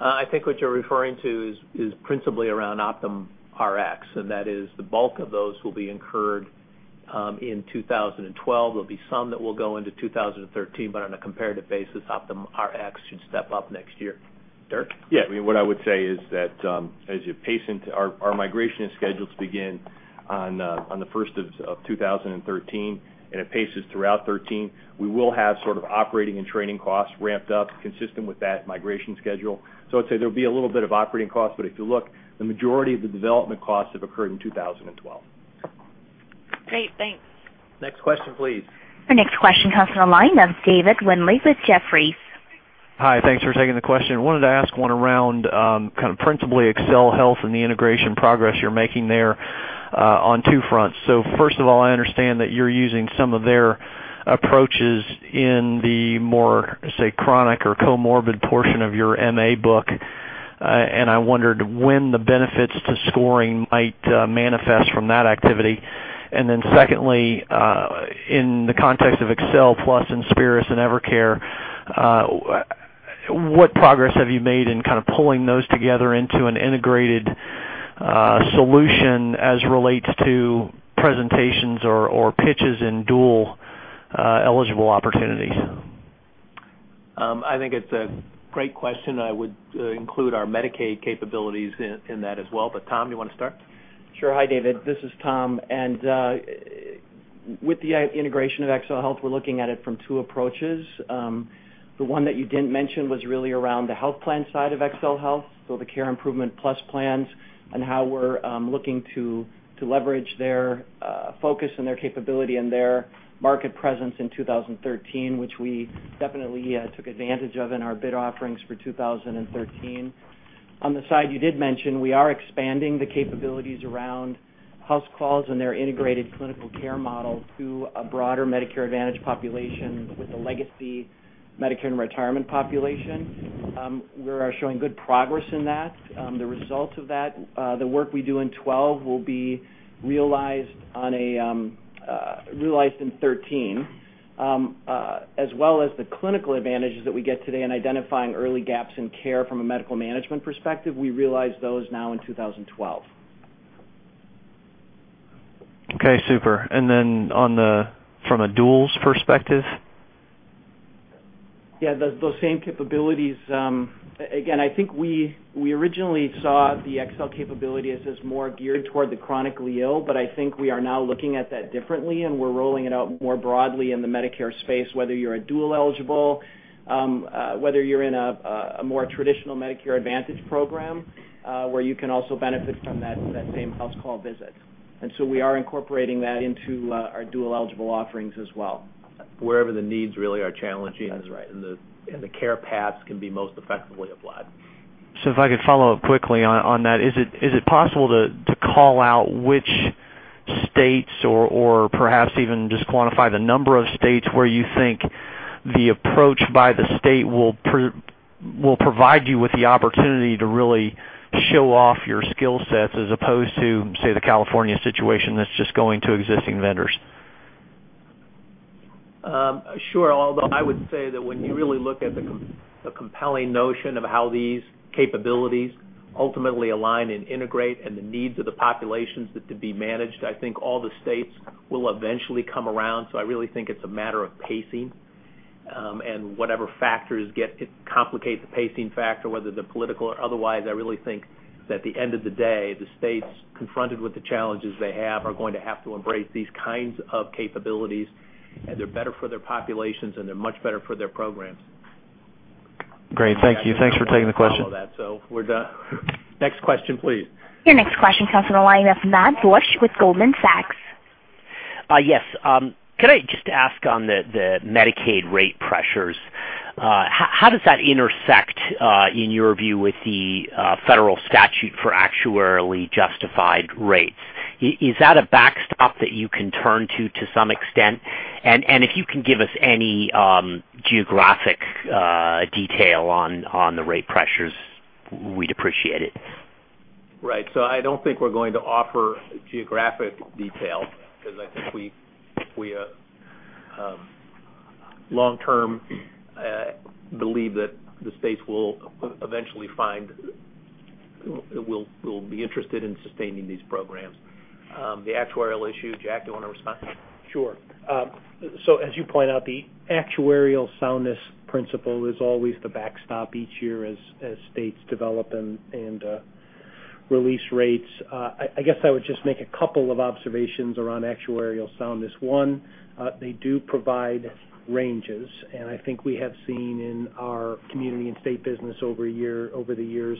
I think what you're referring to is principally around OptumRx, and that is the bulk of those will be incurred in 2012. There'll be some that will go into 2013, but on a comparative basis, OptumRx should step up next year. Derek? Yeah. What I would say is that as you pace into our migration is scheduled to begin on the first of 2013, and it paces throughout 2013. We will have sort of operating and training costs ramped up consistent with that migration schedule. I'd say there'll be a little bit of operating costs, but if you look, the majority of the development costs have occurred in 2012. Great. Thanks. Next question, please. Our next question comes on the line of David Windley with Jefferies. Hi. Thanks for taking the question. I wanted to ask one around kind of principally XLHealth and the integration progress you're making there on two fronts. First of all, I understand that you're using some of their approaches in the more, say, chronic or comorbid portion of your MA book. I wondered when the benefits to scoring might manifest from that activity. Secondly, in the context of Excel Plus and Spirit and Evercare, what progress have you made in kind of pulling those together into an integrated solution as relates to presentations or pitches in dual-eligible opportunities? I think it's a great question. I would include our Medicaid capabilities in that as well. Tom, you want to start? Sure. Hi, David. This is Tom. With the integration of XLHealth, we're looking at it from two approaches. The one that you didn't mention was really around the health plan side of XLHealth, so the Care Improvement Plus plans and how we're looking to leverage their focus and their capability and their market presence in 2013, which we definitely took advantage of in our bid offerings for 2013. On the side you did mention, we are expanding the capabilities around house calls and their integrated clinical care model to a broader Medicare Advantage population with a legacy Medicare and retirement population. We are showing good progress in that. The results of that, the work we do in 2012 will be realized in 2013, as well as the clinical advantages that we get today in identifying early gaps in care from a medical management perspective. We realize those now in 2012. Okay, super. From a duals perspective? Yeah, those same capabilities. Again, I think we originally saw the Excel Plus capability as more geared toward the chronically ill, but I think we are now looking at that differently, and we're rolling it out more broadly in the Medicare space, whether you're a dual eligible, whether you're in a more traditional Medicare Advantage program where you can also benefit from that same house call visit. We are incorporating that into our dual-eligible offerings as well. Wherever the needs really are challenging. That's right. The care paths can be most effectively applied. If I could follow up quickly on that, is it possible to call out which states or perhaps even just quantify the number of states where you think the approach by the state will provide you with the opportunity to really show off your skill sets as opposed to, say, the California situation that's just going to existing vendors? Sure. Although I would say that when you really look at the compelling notion of how these capabilities ultimately align and integrate and the needs of the populations that to be managed, I think all the states will eventually come around. I really think it's a matter of pacing. Whatever factors get complicated, the pacing factor, whether they're political or otherwise, I really think that at the end of the day, the states confronted with the challenges they have are going to have to embrace these kinds of capabilities, as they're better for their populations, and they're much better for their programs. Great. Thank you. Thanks for taking the question. All of that. We're done. Next question, please. Your next question comes on the line of Matthew Borsch with Goldman Sachs. Yes. Could I just ask on the Medicaid rate pressures, how does that intersect, in your view, with the federal statute for actuarially justified rates? Is that a backstop that you can turn to some extent? If you can give us any geographic detail on the rate pressures, we'd appreciate it. Right. I don't think we're going to offer geographic detail because I think we long-term believe that the states will be interested in sustaining these programs. The actuarial issue, Jack, do you want to respond? Sure. As you point out, the actuarial soundness principle is always the backstop each year as states develop and release rates. I guess I would just make a couple of observations around actuarial soundness. One, they do provide ranges, and I think we have seen in our UnitedHealthcare Community & State business over the years,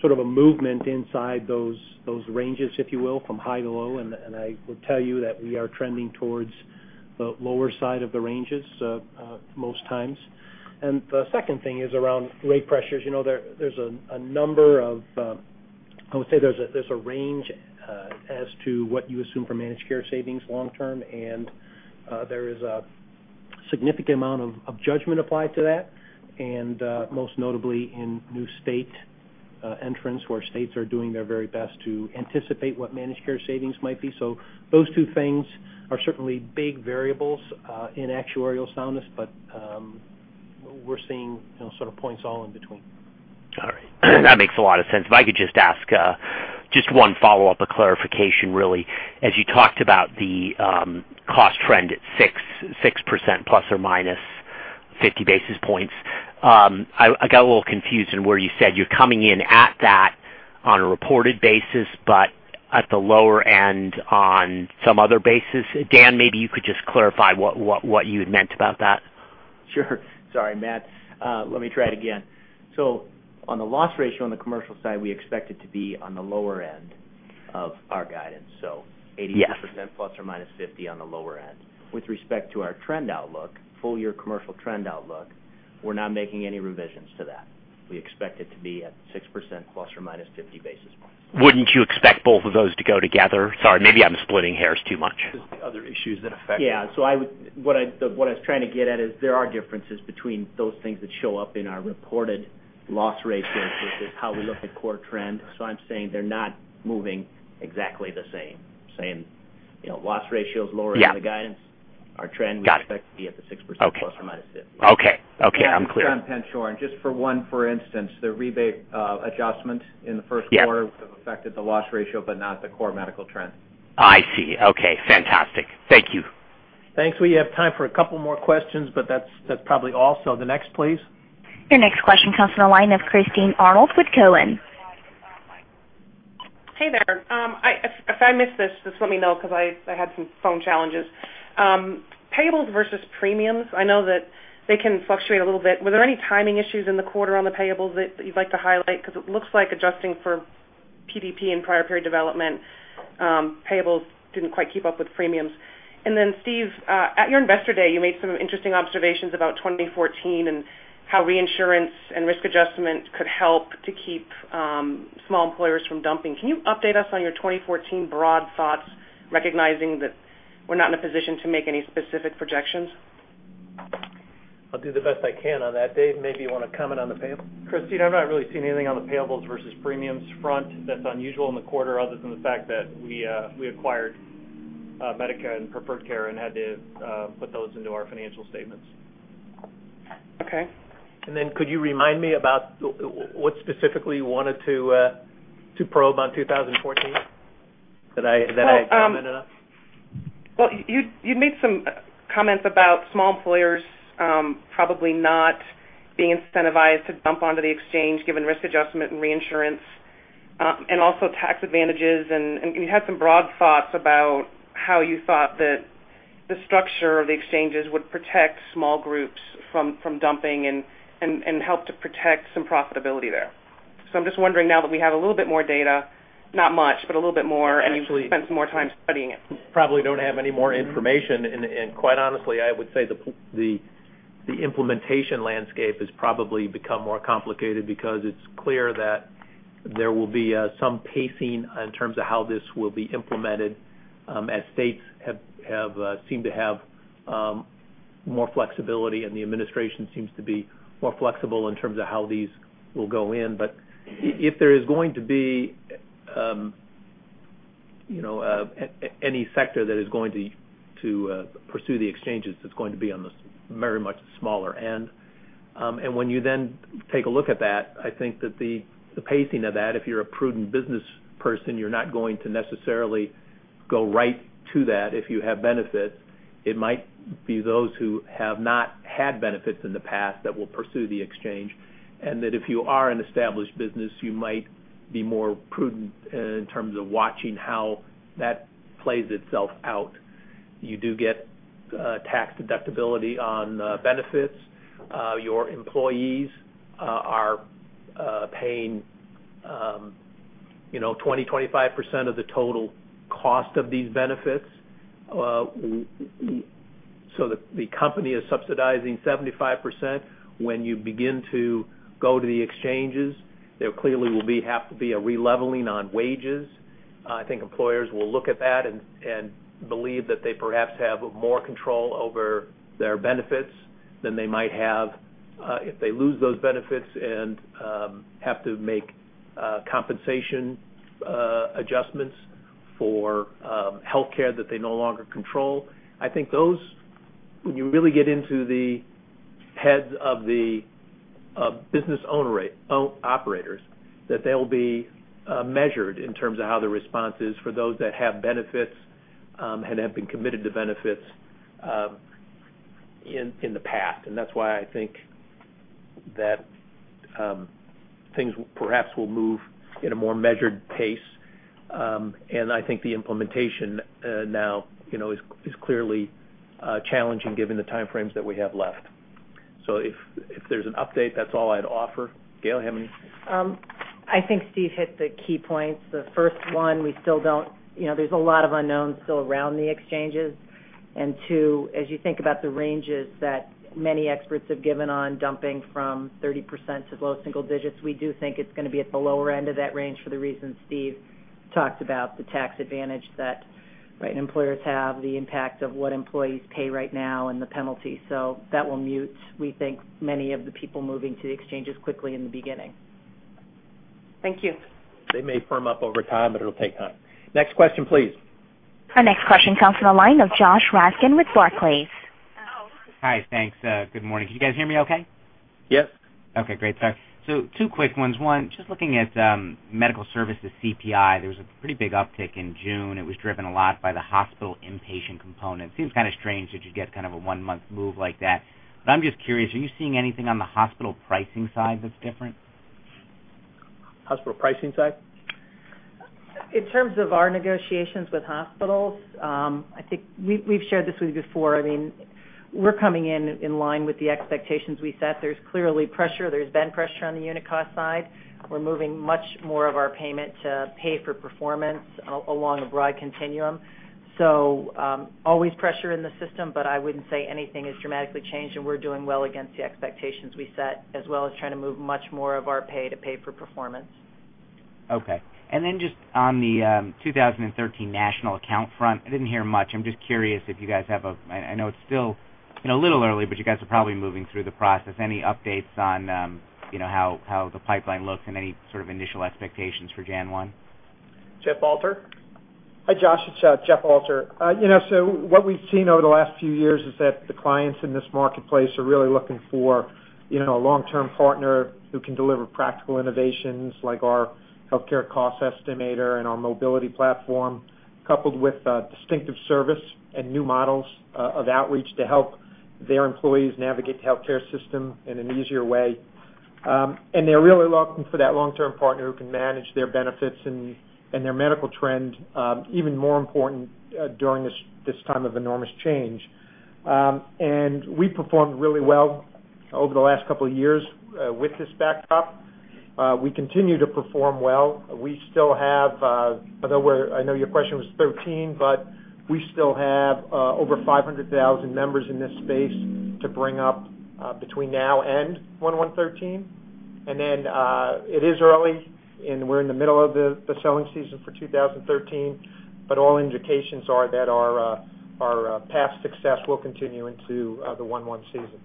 sort of a movement inside those ranges, if you will, from high to low. I will tell you that we are trending towards the lower side of the ranges most times. The second thing is around rate pressures. There's a range as to what you assume for managed care savings long term, and there is a significant amount of judgment applied to that. Most notably in new states. where states are doing their very best to anticipate what managed care savings might be. Those two things are certainly big variables in actuarial soundness. We're seeing sort of points all in between. All right. That makes a lot of sense. If I could just ask just one follow-up or clarification, really. As you talked about the cost trend at 6% plus or minus 50 basis points, I got a little confused in where you said you're coming in at that on a reported basis, but at the lower end on some other basis. Dan, maybe you could just clarify what you had meant about that. Sure. Sorry, Matt. Let me try it again. On the loss ratio on the commercial side, we expect it to be on the lower end of our guidance, so 80- Yeah % plus or minus 50 on the lower end. With respect to our trend outlook, full year commercial trend outlook, we're not making any revisions to that. We expect it to be at 6% plus or minus 50 basis points. Wouldn't you expect both of those to go together? Sorry, maybe I'm splitting hairs too much. There's the other issues that affect it. Yeah. What I was trying to get at is there are differences between those things that show up in our reported loss ratios versus how we look at core trends. I'm saying they're not moving exactly the same. I'm saying loss ratio is lower than the guidance. Yeah. Got it. Our trend, we expect to be at the 6% ±50. Okay. I'm clear. This is Dan Penshorn. Just for one, for instance, the rebate adjustment in the first quarter- Yes would have affected the loss ratio, but not the core medical trend. I see. Okay, fantastic. Thank you. Thanks. We have time for a couple more questions, but that's probably all. The next, please. Your next question comes from the line of Christine Arnold with Cowen. Hey there. If I missed this, just let me know because I had some phone challenges. Payables versus premiums, I know that they can fluctuate a little bit. Were there any timing issues in the quarter on the payables that you'd like to highlight? Because it looks like adjusting for PDP and prior period development, payables didn't quite keep up with premiums. Then Steve, at your Investor Day, you made some interesting observations about 2014 and how reinsurance and risk adjustment could help to keep small employers from dumping. Can you update us on your 2014 broad thoughts, recognizing that we're not in a position to make any specific projections? I'll do the best I can on that. Dave, maybe you want to comment on the payable. Christine, I've not really seen anything on the payables versus premiums front that's unusual in the quarter other than the fact that we acquired Medica and Preferred Care and had to put those into our financial statements. Okay. Could you remind me about what specifically you wanted to probe on 2014? Did I comment enough? Well, you'd made some comments about small employers probably not being incentivized to dump onto the exchange given risk adjustment and reinsurance, and also tax advantages. You had some broad thoughts about how you thought that the structure of the exchanges would protect small groups from dumping and help to protect some profitability there. I'm just wondering now that we have a little bit more data, not much, but a little bit more, and you've spent some more time studying it. Probably don't have any more information. Quite honestly, I would say the implementation landscape has probably become more complicated because it's clear that there will be some pacing in terms of how this will be implemented as states seem to have more flexibility and the administration seems to be more flexible in terms of how these will go in. If there is going to be any sector that is going to pursue the exchanges, it's going to be on the very much smaller end. When you then take a look at that, I think that the pacing of that, if you're a prudent business person, you're not going to necessarily go right to that if you have benefits. It might be those who have not had benefits in the past that will pursue the exchange, and that if you are an established business, you might be more prudent in terms of watching how that plays itself out. You do get tax deductibility on benefits. Your employees are paying 20%, 25% of the total cost of these benefits. The company is subsidizing 75%. When you begin to go to the exchanges, there clearly will have to be a releveling on wages. I think employers will look at that and believe that they perhaps have more control over their benefits than they might have if they lose those benefits and have to make compensation adjustments for healthcare that they no longer control. I think those, when you really get into the heads of the business operators, that they'll be measured in terms of how the response is for those that have benefits and have been committed to benefits in the past. That's why I think that things perhaps will move at a more measured pace. I think the implementation now is clearly challenging given the time frames that we have left. If there's an update, that's all I'd offer. Gail, do you have anything? I think Steve hit the key points. The first one, there's a lot of unknowns still around the exchanges. Two, as you think about the ranges that many experts have given on dumping from 30% to low single digits, we do think it's going to be at the lower end of that range for the reasons Steve talked about, the tax advantage that employers have, the impact of what employees pay right now, and the penalty. That will mute, we think, many of the people moving to the exchanges quickly in the beginning. Thank you. They may firm up over time, but it'll take time. Next question, please. Our next question comes from the line of Josh Raskin with Barclays. Hi. Thanks. Good morning. Can you guys hear me okay? Yes. Okay, great. Sorry. Two quick ones. One, just looking at medical services CPI, there was a pretty big uptick in June. It was driven a lot by the hospital inpatient component. Seems kind of strange that you get kind of a one-month move like that. I'm just curious, are you seeing anything on the hospital pricing side that's different? Hospital pricing side? In terms of our negotiations with hospitals, I think we've shared this with you before. We're coming in in line with the expectations we set. There's clearly pressure. There's been pressure on the unit cost side. We're moving much more of our payment to pay for performance along a broad continuum. Always pressure in the system, but I wouldn't say anything has dramatically changed, and we're doing well against the expectations we set, as well as trying to move much more of our pay to pay for performance. Okay. Then just on the 2013 national account front, I didn't hear much. I'm just curious if you guys have a-- I know it's still a little early, but you guys are probably moving through the process. Any updates on how the pipeline looks and any sort of initial expectations for January one? Jeff Alter. Hi, Josh. It's Jeff Alter. What we've seen over the last few years is that the clients in this marketplace are really looking for a long-term partner who can deliver practical innovations like our myHealthcare Cost Estimator and our mobility platform, coupled with distinctive service and new models of outreach to help their employees navigate the healthcare system in an easier way. They're really looking for that long-term partner who can manage their benefits and their medical trend, even more important during this time of enormous change. We performed really well over the last couple of years with this backdrop. We continue to perform well. Although I know your question was 2013, we still have over 500,000 members in this space to bring up between now and 1/1/2013. It is early, we're in the middle of the selling season for 2013, all indications are that our past success will continue into the 1/1 season.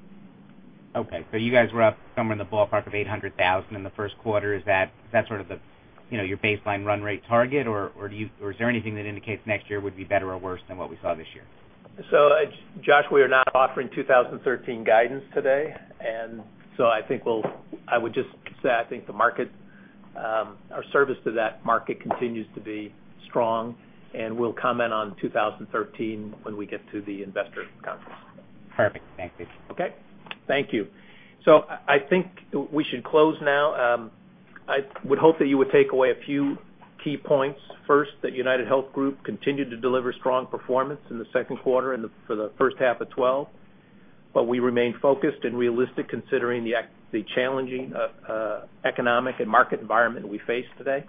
You guys were up somewhere in the ballpark of 800,000 in the first quarter. Is that sort of your baseline run rate target, or is there anything that indicates next year would be better or worse than what we saw this year? Josh, we are not offering 2013 guidance today, I would just say I think our service to that market continues to be strong, we'll comment on 2013 when we get to the investor conference. Perfect. Thank you. Okay. Thank you. I think we should close now. I would hope that you would take away a few key points. First, that UnitedHealth Group continued to deliver strong performance in the second quarter and for the first half of 2012, but we remain focused and realistic considering the challenging economic and market environment we face today.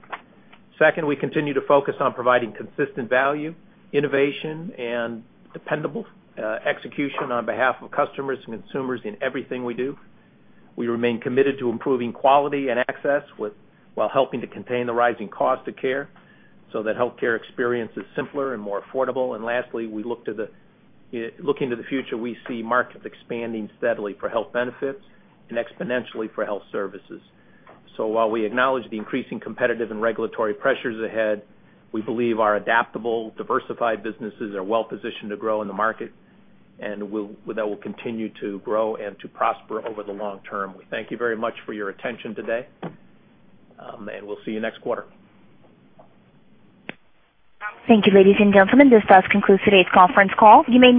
Second, we continue to focus on providing consistent value, innovation, and dependable execution on behalf of customers and consumers in everything we do. We remain committed to improving quality and access while helping to contain the rising cost of care so that healthcare experience is simpler and more affordable. Lastly, looking to the future, we see markets expanding steadily for health benefits and exponentially for health services. While we acknowledge the increasing competitive and regulatory pressures ahead, we believe our adaptable, diversified businesses are well-positioned to grow in the market, and that we'll continue to grow and to prosper over the long term. We thank you very much for your attention today, and we'll see you next quarter. Thank you, ladies and gentlemen. This does conclude today's conference call. You may now